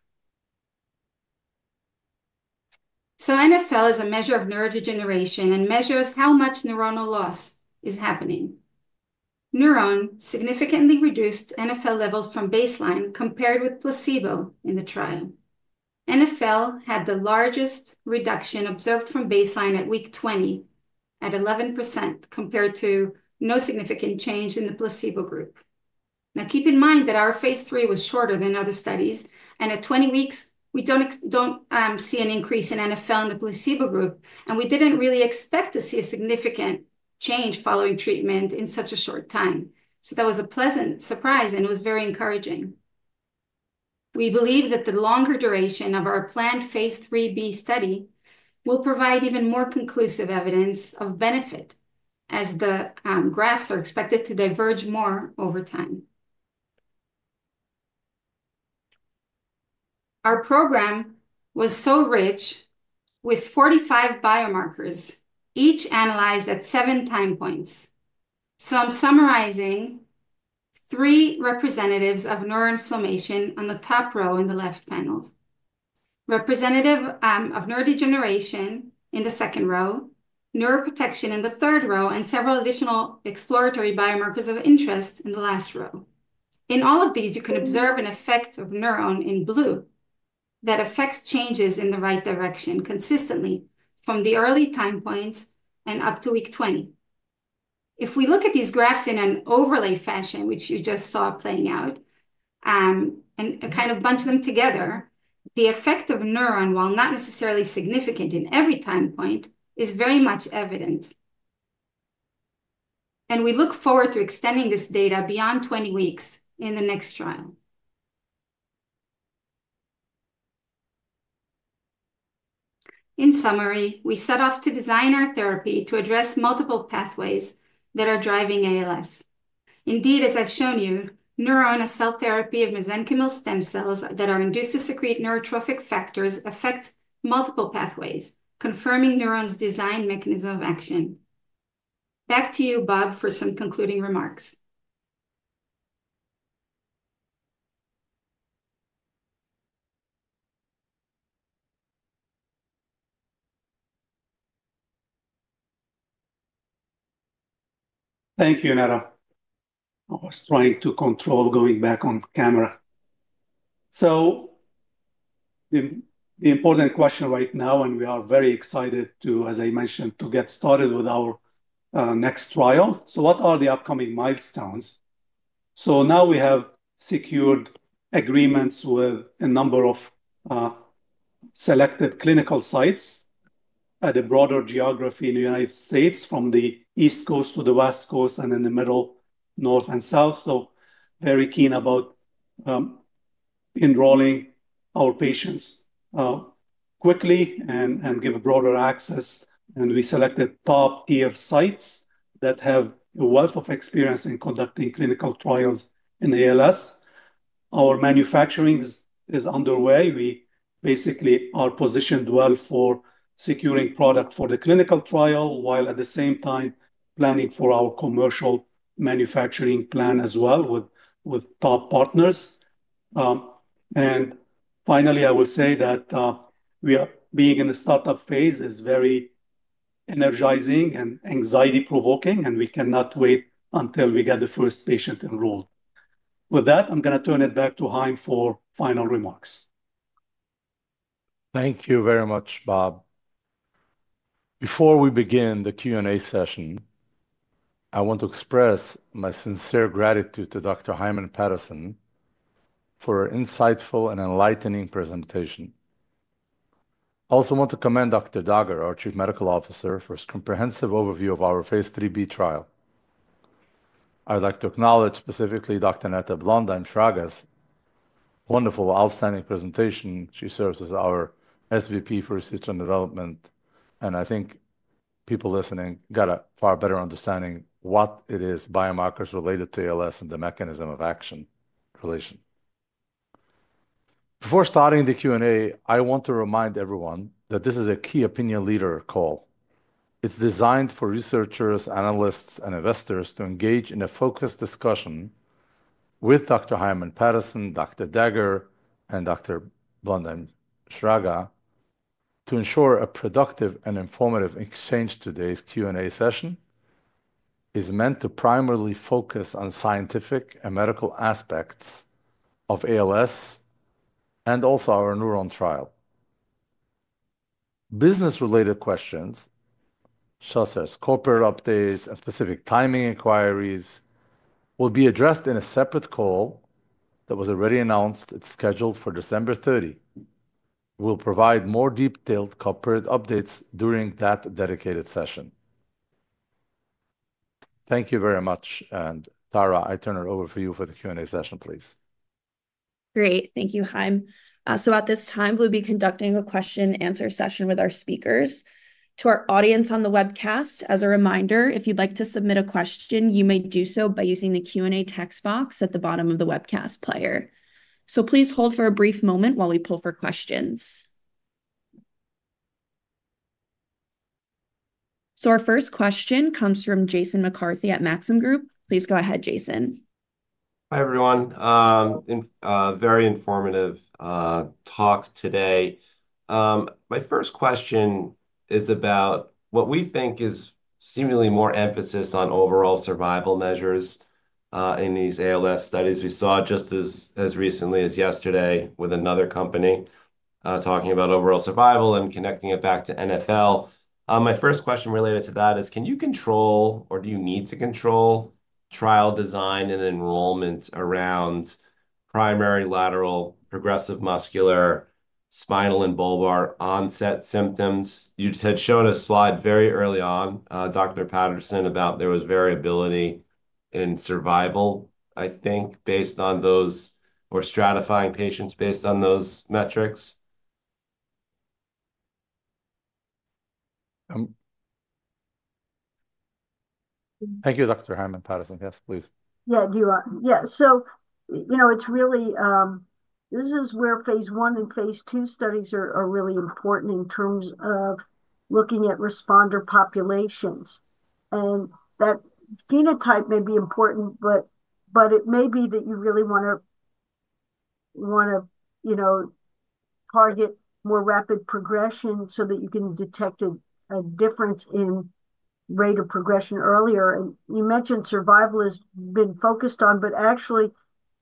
NfL is a measure of neurodegeneration and measures how much neuronal loss is happening. NurOwn significantly reduced NfL levels from baseline compared with placebo in the trial. NfL had the largest reduction observed from baseline at week 20 at 11% compared to no significant change in the placebo group. Now, keep in mind phase III was shorter than other studies. And at 20 weeks, we don't see an increase in NfL in the placebo group. And we didn't really expect to see a significant change following treatment in such a short time. So that was a pleasant surprise, and it was very encouraging. We believe that the longer duration phase III-B study will provide even more conclusive evidence of benefit as the graphs are expected to diverge more over time. Our program was so rich with 45 biomarkers, each analyzed at seven time points. I'm summarizing three representatives of neuroinflammation on the top row in the left panels, representative of neurodegeneration in the second row, neuroprotection in the third row, and several additional exploratory biomarkers of interest in the last row. In all of these, you can observe an effect of NurOwn in blue that affects changes in the right direction consistently from the early time points and up to week 20. If we look at these graphs in an overlay fashion, which you just saw playing out, and kind of bunch them together, the effect of NurOwn, while not necessarily significant in every time point, is very much evident. We look forward to extending this data beyond 20 weeks in the next trial. In summary, we set off to design our therapy to address multiple pathways that are driving ALS. Indeed, as I've shown you, NurOwn is a cell therapy of mesenchymal stem cells that are induced to secrete neurotrophic factors that affect multiple pathways, confirming NurOwn's design mechanism of action. Back to you, Bob, for some concluding remarks. Thank you, Netta. I was trying to control going back on camera. So the important question right now, and we are very excited to, as I mentioned, to get started with our next trial. So what are the upcoming milestones? So now we have secured agreements with a number of selected clinical sites at a broader geography in the United States, from the East Coast to the West Coast and in the Middle, North, and South. So very keen about enrolling our patients quickly and give broader access. And we selected top-tier sites that have a wealth of experience in conducting clinical trials in ALS. Our manufacturing is underway. We basically are positioned well for securing product for the clinical trial while at the same time planning for our commercial manufacturing plan as well with top partners. And finally, I will say that we are being in a startup phase is very energizing and anxiety-provoking, and we cannot wait until we get the first patient enrolled. With that, I'm going to turn it back to Chaim for final remarks. Thank you very much, Bob. Before we begin the Q&A session, I want to express my sincere gratitude to Dr. Heiman-Patterson for her insightful and enlightening presentation. I also want to commend Dr. Dagher, our Chief Medical Officer, for his comprehensive phase III-B trial. i'd like to acknowledge specifically Dr. Netta Blondheim-Shraga. Wonderful, outstanding presentation. She serves as our SVP for Research and Development. I think people listening got a far better understanding of what it is, biomarkers related to ALS and the mechanism of action relation. Before starting the Q&A, I want to remind everyone that this is a key opinion leader call. It's designed for researchers, analysts, and investors to engage in a focused discussion with Dr. Heiman-Patterson, Dr. Dagher, and Dr. Blondheim-Shraga to ensure a productive and informative exchange. Today's Q&A session is meant to primarily focus on scientific and medical aspects of ALS and also our NurOwn trial. Business-related questions, such as corporate updates and specific timing inquiries, will be addressed in a separate call that was already announced. It's scheduled for December 30. We'll provide more detailed corporate updates during that dedicated session. Thank you very much. And Tara, I turn it over for you for the Q&A session, please. Great. Thank you, Chaim. At this time, we'll be conducting a question-and-answer session with our speakers. To our audience on the webcast, as a reminder, if you'd like to submit a question, you may do so by using the Q&A text box at the bottom of the webcast player. Please hold for a brief moment while we pull for questions. Our first question comes from Jason McCarthy at Maxim Group. Please go ahead, Jason. Hi, everyone. Very informative talk today. My first question is about what we think is seemingly more emphasis on overall survival measures in these ALS studies. We saw just as recently as yesterday with another company talking about overall survival and connecting it back to NfL. My first question related to that is, can you control or do you need to control trial design and enrollment around primary lateral, progressive muscular, spinal, and bulbar onset symptoms? You had shown a slide very early on, Dr. Heiman-Patterson, about there was variability in survival, I think, based on those or stratifying patients based on those metrics. Thank you, Dr. Heiman-Patterson. So you know it's really this is where phase I and phase II studies are really important in terms of looking at responder populations. And that phenotype may be important, but it may be that you really want to target more rapid progression so that you can detect a difference in rate of progression earlier. And you mentioned survival has been focused on, but actually,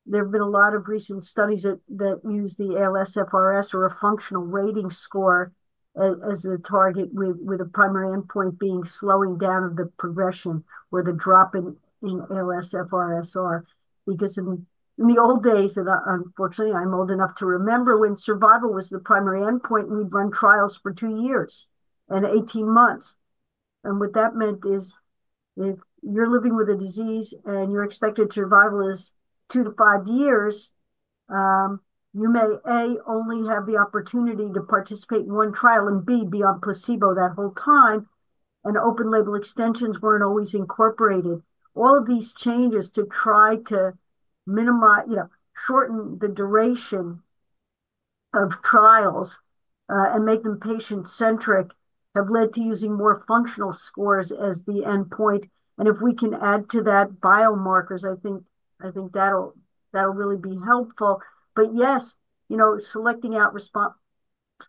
there have been a lot of recent studies that use the ALSFRS-R or a functional rating score as a target, with a primary endpoint being slowing down of the progression or the drop in ALSFRS-R. Because in the old days, and unfortunately, I'm old enough to remember when survival was the primary endpoint, we'd run trials for two years and 18 months. And what that meant is if you're living with a disease and your expected survival is two to five years, you may, A, only have the opportunity to participate in one trial and, B, be on placebo that whole time. And open-label extensions weren't always incorporated. All of these changes to try to shorten the duration of trials and make them patient-centric have led to using more functional scores as the endpoint. And if we can add to that biomarkers, I think that'll really be helpful. But yes, selecting out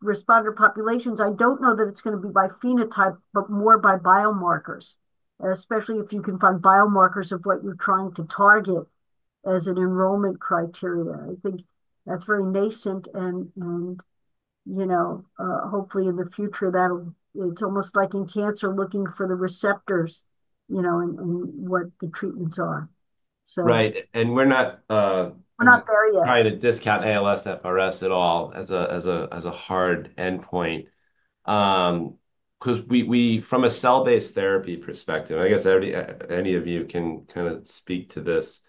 responder populations, I don't know that it's going to be by phenotype, but more by biomarkers, especially if you can find biomarkers of what you're trying to target as an enrollment criteria. I think that's very nascent. And hopefully, in the future, it's almost like in cancer looking for the receptors and what the treatments are. Right. And we're not. We're not there yet. Trying to discount ALSFRS-R at all as a hard endpoint. Because from a cell-based therapy perspective, I guess any of you can kind of speak to this.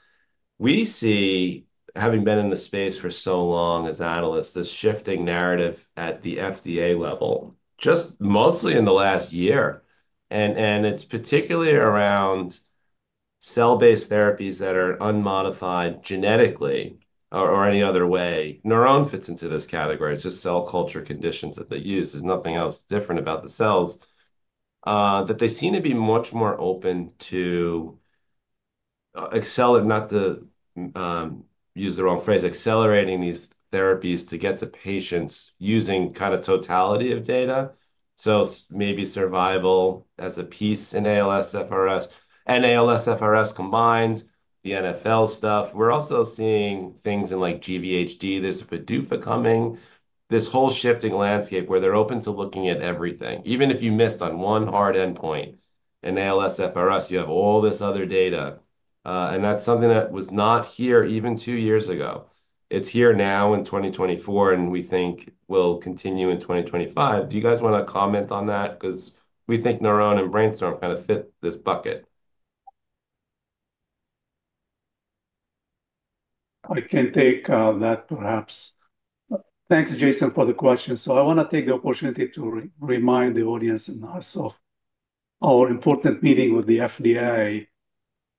We see, having been in the space for so long as analysts, this shifting narrative at the FDA level just mostly in the last year. And it's particularly around cell-based therapies that are unmodified genetically or any other way. NurOwn fits into this category. It's just cell culture conditions that they use. There's nothing else different about the cells that they seem to be much more open to, not to use the wrong phrase, accelerating these therapies to get to patients using kind of totality of data. So maybe survival as a piece in ALSFRS-R and ALSFRS-R combined, the NfL stuff. We're also seeing things in like GVHD. There's a PDUFA coming. This whole shifting landscape where they're open to looking at everything. Even if you missed on one hard endpoint in ALSFRS-R, you have all this other data. And that's something that was not here even two years ago. It's here now in 2024, and we think will continue in 2025. Do you guys want to comment on that? Because we think NurOwn and BrainStorm kind of fit this bucket. I can take that, perhaps. Thanks, Jason, for the question. So I want to take the opportunity to remind the audience, and also, our important meeting with the FDA,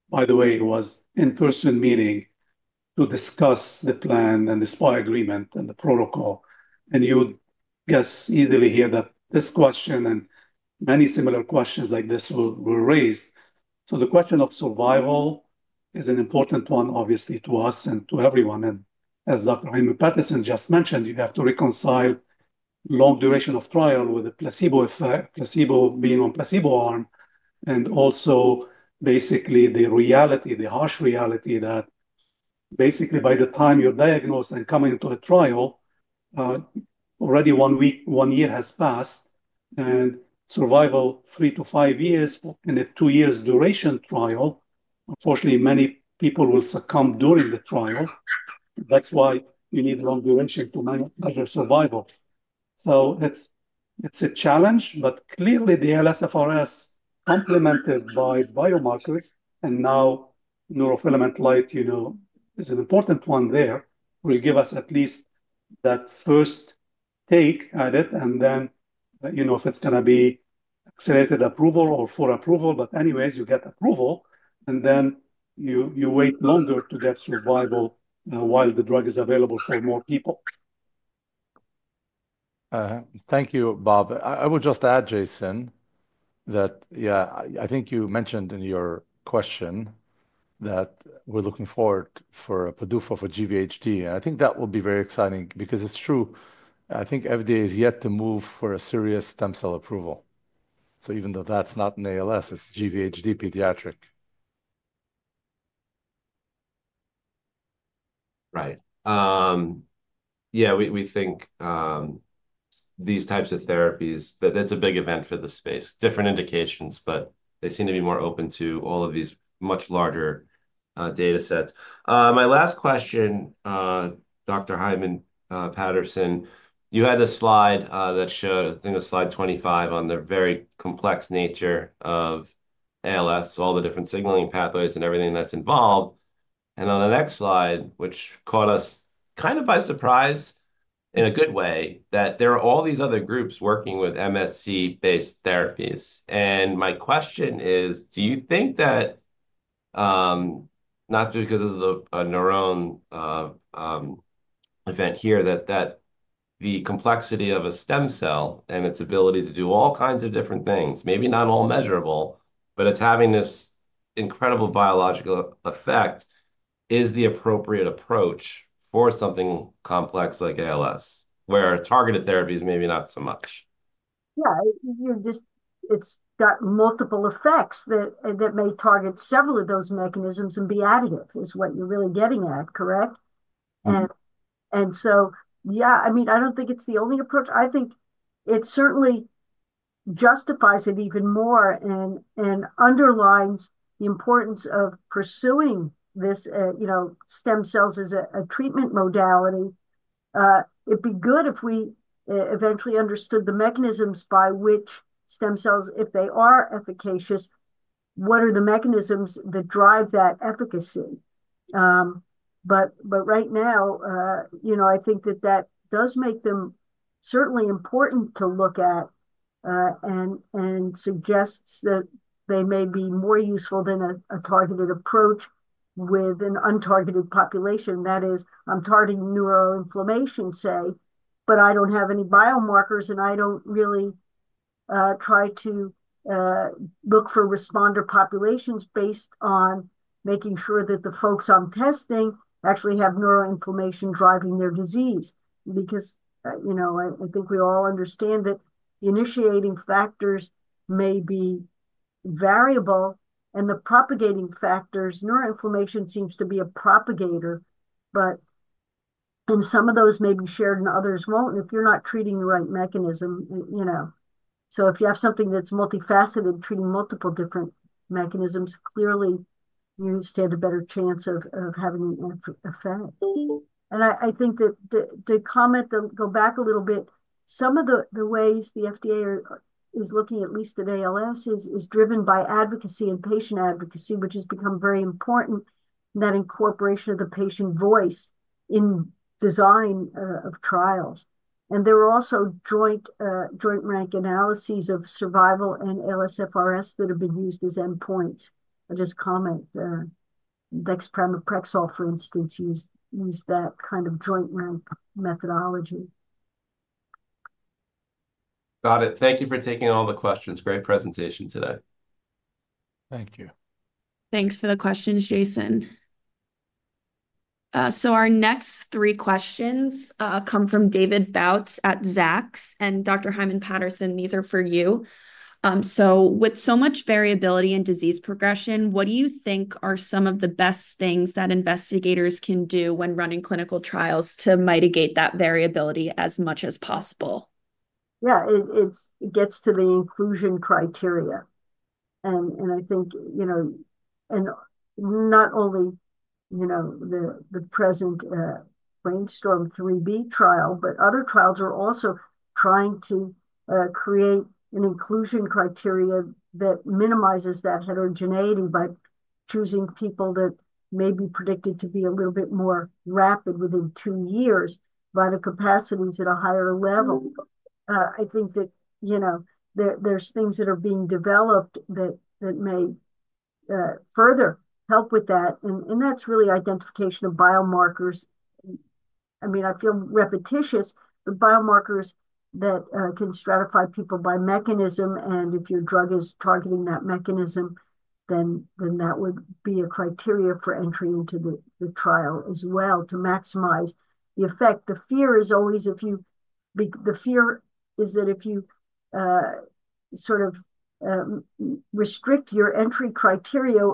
by the way, was an in-person meeting to discuss the plan and the SPA agreement and the protocol. And you'd guess easily here that this question and many similar questions like this were raised. So the question of survival is an important one, obviously, to us and to everyone. And as Dr. Heiman-Patterson just mentioned, you have to reconcile long duration of trial with the placebo effect, placebo being on placebo arm, and also basically the reality, the harsh reality that basically by the time you're diagnosed and coming into a trial, already one year has passed. And survival three to five years in a two-year duration trial, unfortunately, many people will succumb during the trial. That's why you need long duration to measure survival. So it's a challenge, but clearly the ALS-FRS complemented by biomarkers. And now neurofilament light is an important one there. It will give us at least that first take at it. And then you know if it's going to be accelerated approval or full approval. But anyways, you get approval, and then you wait longer to get survival while the drug is available for more people. Thank you, Bob. I would just add, Jason, that, yeah, I think you mentioned in your question that we're looking forward for a PDUFA for GVHD. And I think that will be very exciting because it's true. I think FDA has yet to move for a serious stem cell approval. So even though that's not an ALS, it's GVHD pediatric. Right. Yeah, we think these types of therapies, that's a big event for the space. Different indications, but they seem to be more open to all of these much larger data sets. My last question, Dr. Heiman-Patterson, you had a slide that showed, I think it was slide 25 on the very complex nature of ALS, all the different signaling pathways and everything that's involved. And on the next slide, which caught us kind of by surprise in a good way, that there are all these other groups working with MSC-based therapies. And my question is, do you think that not because this is a NurOwn event here, that the complexity of a stem cell and its ability to do all kinds of different things, maybe not all measurable, but it's having this incredible biological effect, is the appropriate approach for something complex like ALS, where targeted therapies maybe not so much? Yeah. It's got multiple effects that may target several of those mechanisms and be additive is what you're really getting at, correct? Yeah, I mean, I don't think it's the only approach. I think it certainly justifies it even more and underlines the importance of pursuing stem cells as a treatment modality. It'd be good if we eventually understood the mechanisms by which stem cells, if they are efficacious, what are the mechanisms that drive that efficacy. But right now, I think that that does make them certainly important to look at and suggests that they may be more useful than a targeted approach with an untargeted population. That is, I'm targeting neuroinflammation, say, but I don't have any biomarkers, and I don't really try to look for responder populations based on making sure that the folks I'm testing actually have neuroinflammation driving their disease. Because I think we all understand that the initiating factors may be variable, and the propagating factors, neuroinflammation seems to be a propagator, but some of those may be shared and others won't if you're not treating the right mechanism. So if you have something that's multifaceted, treating multiple different mechanisms, clearly you stand a better chance of having an effect. And I think to comment, go back a little bit. Some of the ways the FDA is looking, at least at ALS, is driven by advocacy and patient advocacy, which has become very important in that incorporation of the patient voice in design of trials. And there are also joint-rank analyses of survival and ALSFRS-R that have been used as endpoints. I'll just comment. Dexpramipexole, for instance, used that kind of joint-rank methodology. Got it. Thank you for taking all the questions. Great presentation today. Thank you. Thanks for the questions, Jason. So our next three questions come from David Bautz at Zacks and Dr. Terry Heiman-Patterson. These are for you. So with so much variability in disease progression, what do you think are some of the best things that investigators can do when running clinical trials to mitigate that variability as much as possible? Yeah, it gets to the inclusion criteria. And I think not only the present BrainStorm III-B trial, but other trials are also trying to create an inclusion criteria that minimizes that heterogeneity by choosing people that may be predicted to be a little bit more rapid within two years by the capacities at a higher level. I think that there's things that are being developed that may further help with that. And that's really identification of biomarkers. I mean, I feel repetitious, but biomarkers that can stratify people by mechanism. And if your drug is targeting that mechanism, then that would be a criteria for entry into the trial as well to maximize the effect. The fear is always that if you sort of restrict your entry criteria,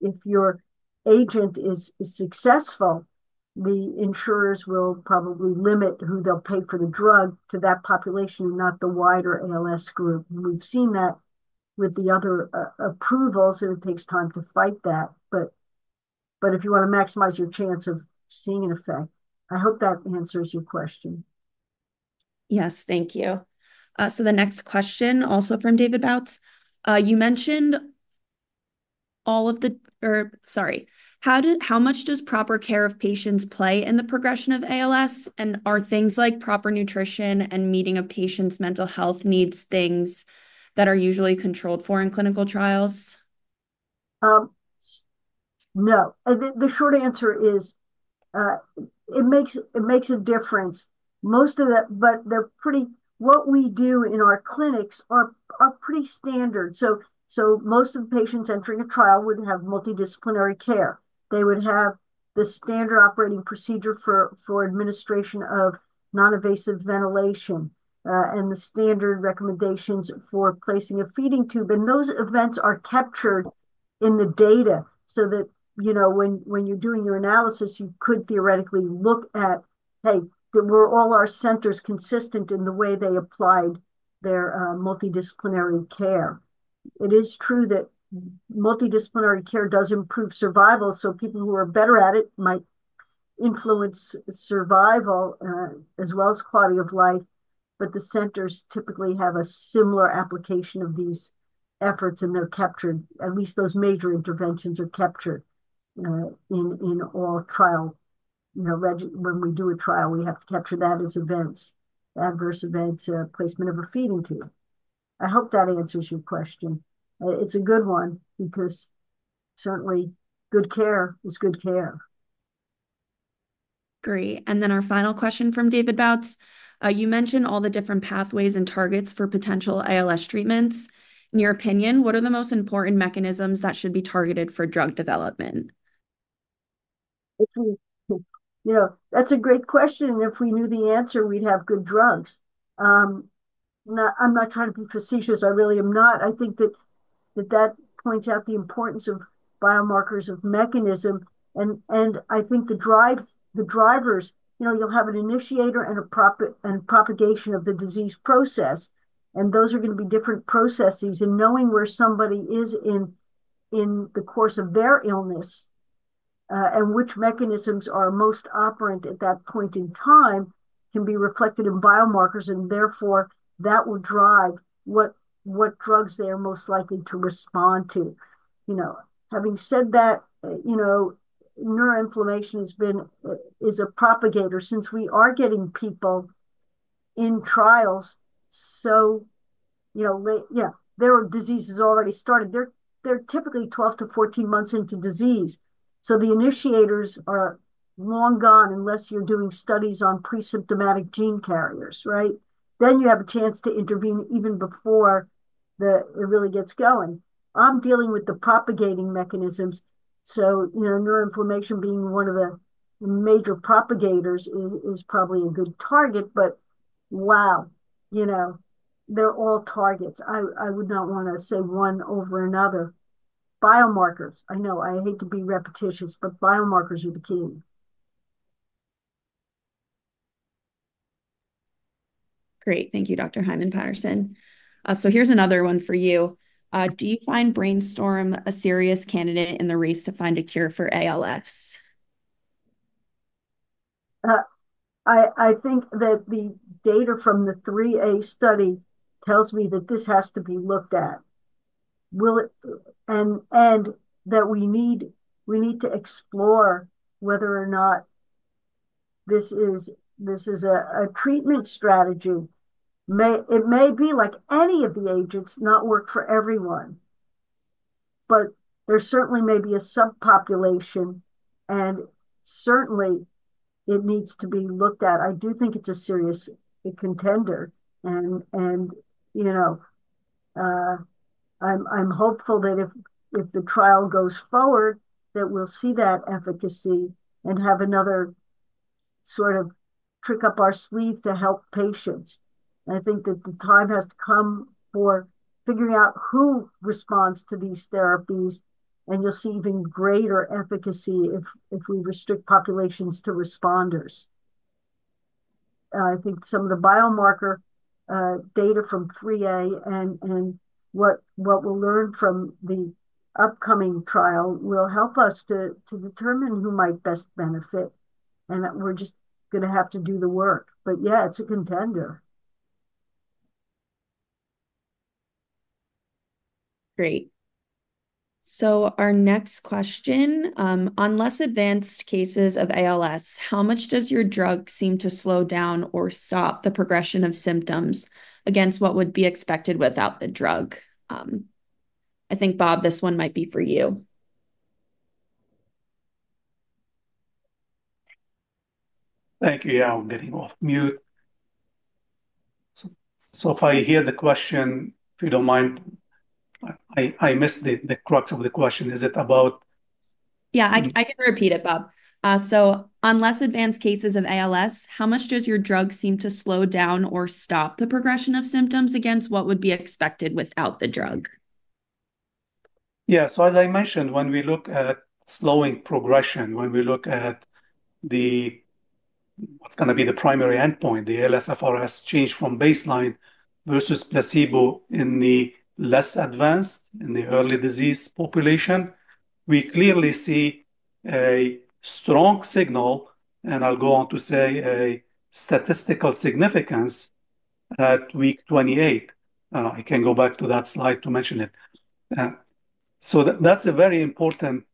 if your agent is successful, the insurers will probably limit who they'll pay for the drug to that population and not the wider ALS group. And we've seen that with the other approvals. It takes time to fight that. But if you want to maximize your chance of seeing an effect, I hope that answers your question. Yes, thank you. So the next question also from David Bautz. You mentioned all of the, or sorry. How much does proper care of patients play in the progression of ALS? Are things like proper nutrition and meeting a patient's mental health needs things that are usually controlled for in clinical trials? No. The short answer is it makes a difference. Most of what we do in our clinics are pretty standard. So most of the patients entering a trial wouldn't have multidisciplinary care. They would have the standard operating procedure for administration of non-invasive ventilation and the standard recommendations for placing a feeding tube. And those events are captured in the data so that when you're doing your analysis, you could theoretically look at, hey, were all our centers consistent in the way they applied their multidisciplinary care? It is true that multidisciplinary care does improve survival. So people who are better at it might influence survival as well as quality of life. But the centers typically have a similar application of these efforts, and they're captured. At least those major interventions are captured in all trials. When we do a trial, we have to capture that as events, adverse events, placement of a feeding tube. I hope that answers your question. It's a good one because certainly good care is good care. Great. And then our final question from David Bautz. You mentioned all the different pathways and targets for potential ALS treatments. In your opinion, what are the most important mechanisms that should be targeted for drug development? That's a great question. If we knew the answer, we'd have good drugs. I'm not trying to be facetious. I really am not. I think that that points out the importance of biomarkers of mechanism. And I think the drivers, you'll have an initiator and propagation of the disease process. And those are going to be different processes. Knowing where somebody is in the course of their illness and which mechanisms are most operant at that point in time can be reflected in biomarkers. And therefore, that will drive what drugs they are most likely to respond to. Having said that, neuroinflammation is a propagator since we are getting people in trials. So yeah, there are diseases already started. They're typically 12 to 14 months into disease. So the initiators are long gone unless you're doing studies on pre-symptomatic gene carriers, right? Then you have a chance to intervene even before it really gets going. I'm dealing with the propagating mechanisms. So neuroinflammation being one of the major propagators is probably a good target, but wow, they're all targets. I would not want to say one over another. Biomarkers. I know I hate to be repetitious, but biomarkers are the key. Great. Thank you, Dr. Heiman-Patterson. So here's another one for you. Do you find BrainStorm a serious candidate in the race to find a cure for ALS? I think that the data from the III-A study tells me that this has to be looked at. And that we need to explore whether or not this is a treatment strategy. It may be like any of the agents, not work for everyone. But there certainly may be a subpopulation, and certainly it needs to be looked at. I do think it's a serious contender. And I'm hopeful that if the trial goes forward, that we'll see that efficacy and have another sort of trick up our sleeve to help patients. I think that the time has to come for figuring out who responds to these therapies, and you'll see even greater efficacy if we restrict populations to responders. I think some of the biomarker data from III-A and what we'll learn from the upcoming trial will help us to determine who might best benefit, and we're just going to have to do the work, but yeah, it's a contender. Great. Our next question. On less advanced cases of ALS, how much does your drug seem to slow down or stop the progression of symptoms against what would be expected without the drug? I think, Bob, this one might be for you. Thank you. Yeah, I'm getting off mute. So if I hear the question, if you don't mind, I missed the crux of the question. Is it about? Yeah, I can repeat it, Bob. So on less advanced cases of ALS, how much does your drug seem to slow down or stop the progression of symptoms against what would be expected without the drug? Yeah. So as I mentioned, when we look at slowing progression, when we look at what's going to be the primary endpoint, the ALSFRS-R change from baseline versus placebo in the less advanced, in the early disease population, we clearly see a strong signal, and I'll go on to say a statistical significance at week 28. I can go back to that slide to mention it. So that's a very important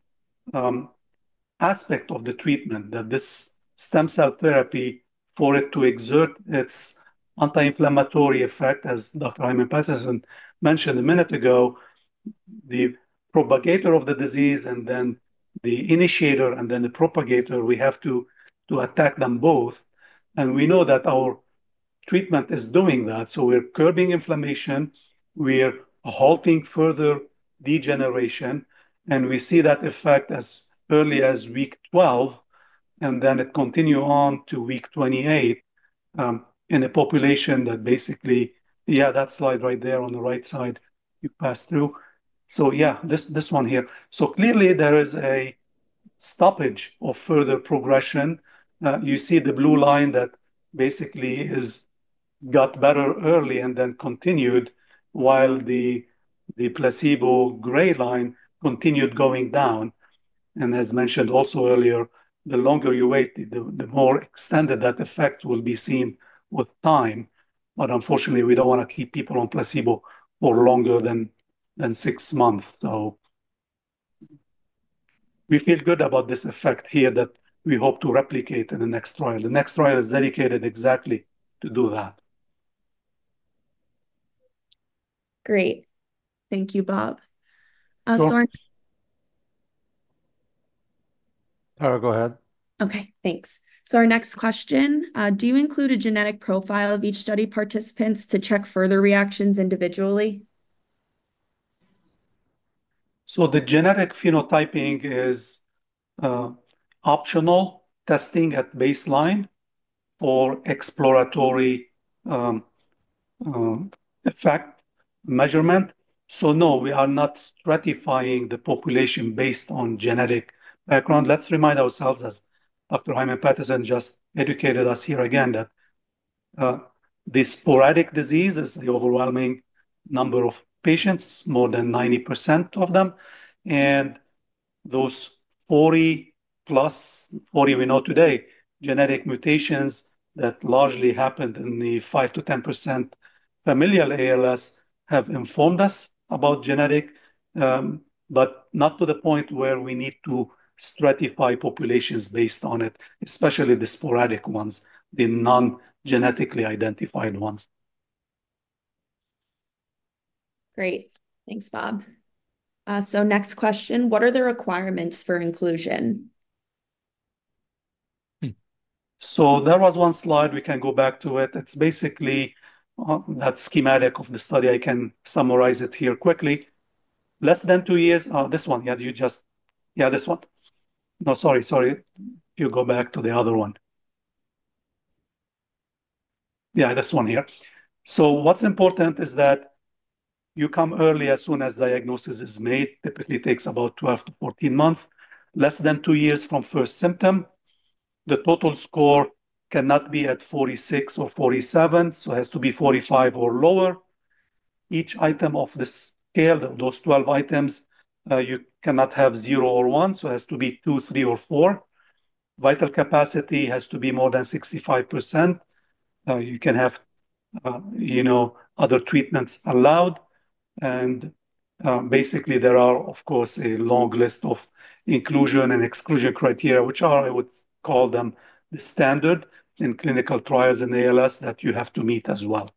aspect of the treatment, that this stem cell therapy, for it to exert its anti-inflammatory effect, as Dr. Terry Heiman-Patterson mentioned a minute ago, the propagator of the disease and then the initiator and then the propagator, we have to attack them both. And we know that our treatment is doing that. So we're curbing inflammation. We're halting further degeneration. And we see that effect as early as week 12, and then it continues on to week 28 in a population that basically, yeah, that slide right there on the right side you pass through. So yeah, this one here. So clearly, there is a stoppage of further progression. You see the blue line that basically got better early and then continued while the placebo gray line continued going down. And as mentioned also earlier, the longer you wait, the more extended that effect will be seen with time. But unfortunately, we don't want to keep people on placebo for longer than six months. So we feel good about this effect here that we hope to replicate in the next trial. The next trial is dedicated exactly to do that. Great. Thank you, Bob. Sorry. Tara, go ahead. Okay. Thanks. So our next question. Do you include a genetic profile of each study participant to check further reactions individually? So the genetic phenotyping is optional testing at baseline for exploratory effect measurement. So no, we are not stratifying the population based on genetic background. Let's remind ourselves, as Dr. Heiman-Patterson just educated us here again, that the sporadic disease is the overwhelming number of patients, more than 90% of them. And those 40+, 40 we know today, genetic mutations that largely happened in the 5%-10% familial ALS have informed us about genetic, but not to the point where we need to stratify populations based on it, especially the sporadic ones, the non-genetically identified ones. Great. Thanks, Bob. So next question. What are the requirements for inclusion? So there was one slide. We can go back to it. It's basically that schematic of the study. I can summarize it here quickly. Less than two years. This one, yeah you just, yeah this one. No sorry, sorry. Can you go back to the other one? Yeah, this one here. So what's important is that you come early as soon as diagnosis is made. Typically, it takes about 12-14 months. Less than two years from first symptom. The total score cannot be at 46 or 47. So it has to be 45 or lower. Each item of the scale, those 12 items, you cannot have 0 or 1. So it has to be 2, 3, or 4. Vital capacity has to be more than 65%. You can have other treatments allowed. And basically, there are, of course, a long list of inclusion and exclusion criteria, which are, I would call them, the standard in clinical trials in ALS that you have to meet as well.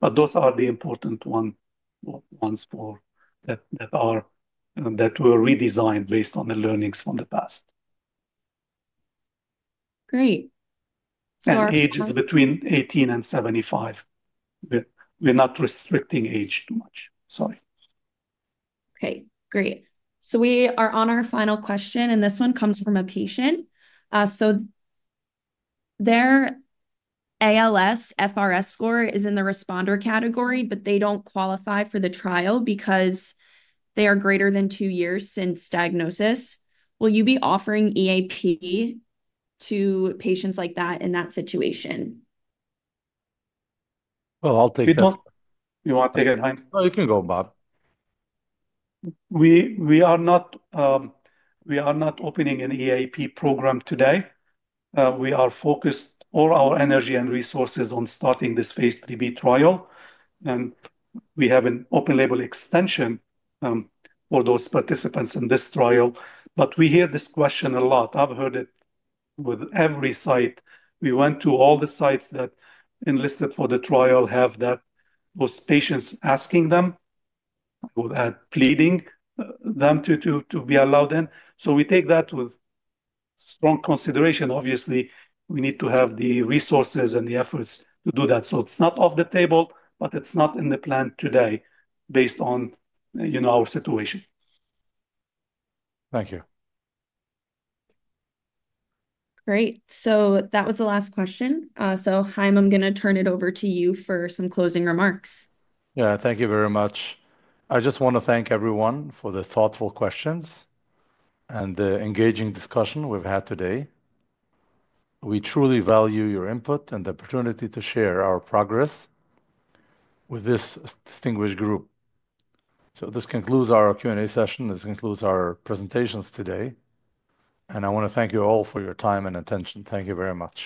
But those are the important ones that were redesigned based on the learnings from the past. Great. Sorry. And ages between 18 and 75. We're not restricting age too much. Sorry. Okay. Great. So we are on our final question. And this one comes from a patient. So their ALSFRS-R score is in the responder category, but they don't qualify for the trial because they are greater than two years since diagnosis. Will you be offering EAP to patients like that in that situation? Well, I'll take that. You want to take it, Chaim? No, you can go, Bob. We are not opening an EAP program today. We are focused all our energy and resources phase III-B trial. and we have an open-label extension for those participants in this trial. But we hear this question a lot. I've heard it with every site. We went to all the sites that enlisted for the trial, have those patients asking them. I would add, pleading them to be allowed in. So we take that with strong consideration. Obviously, we need to have the resources and the efforts to do that. So it's not off the table, but it's not in the plan today based on our situation. Thank you. Great. So that was the last question. So Chaim, I'm going to turn it over to you for some closing remarks. Yeah, thank you very much. I just want to thank everyone for the thoughtful questions and the engaging discussion we've had today. We truly value your input and the opportunity to share our progress with this distinguished group. So this concludes our Q&A session. This concludes our presentations today. And I want to thank you all for your time and attention. Thank you very much.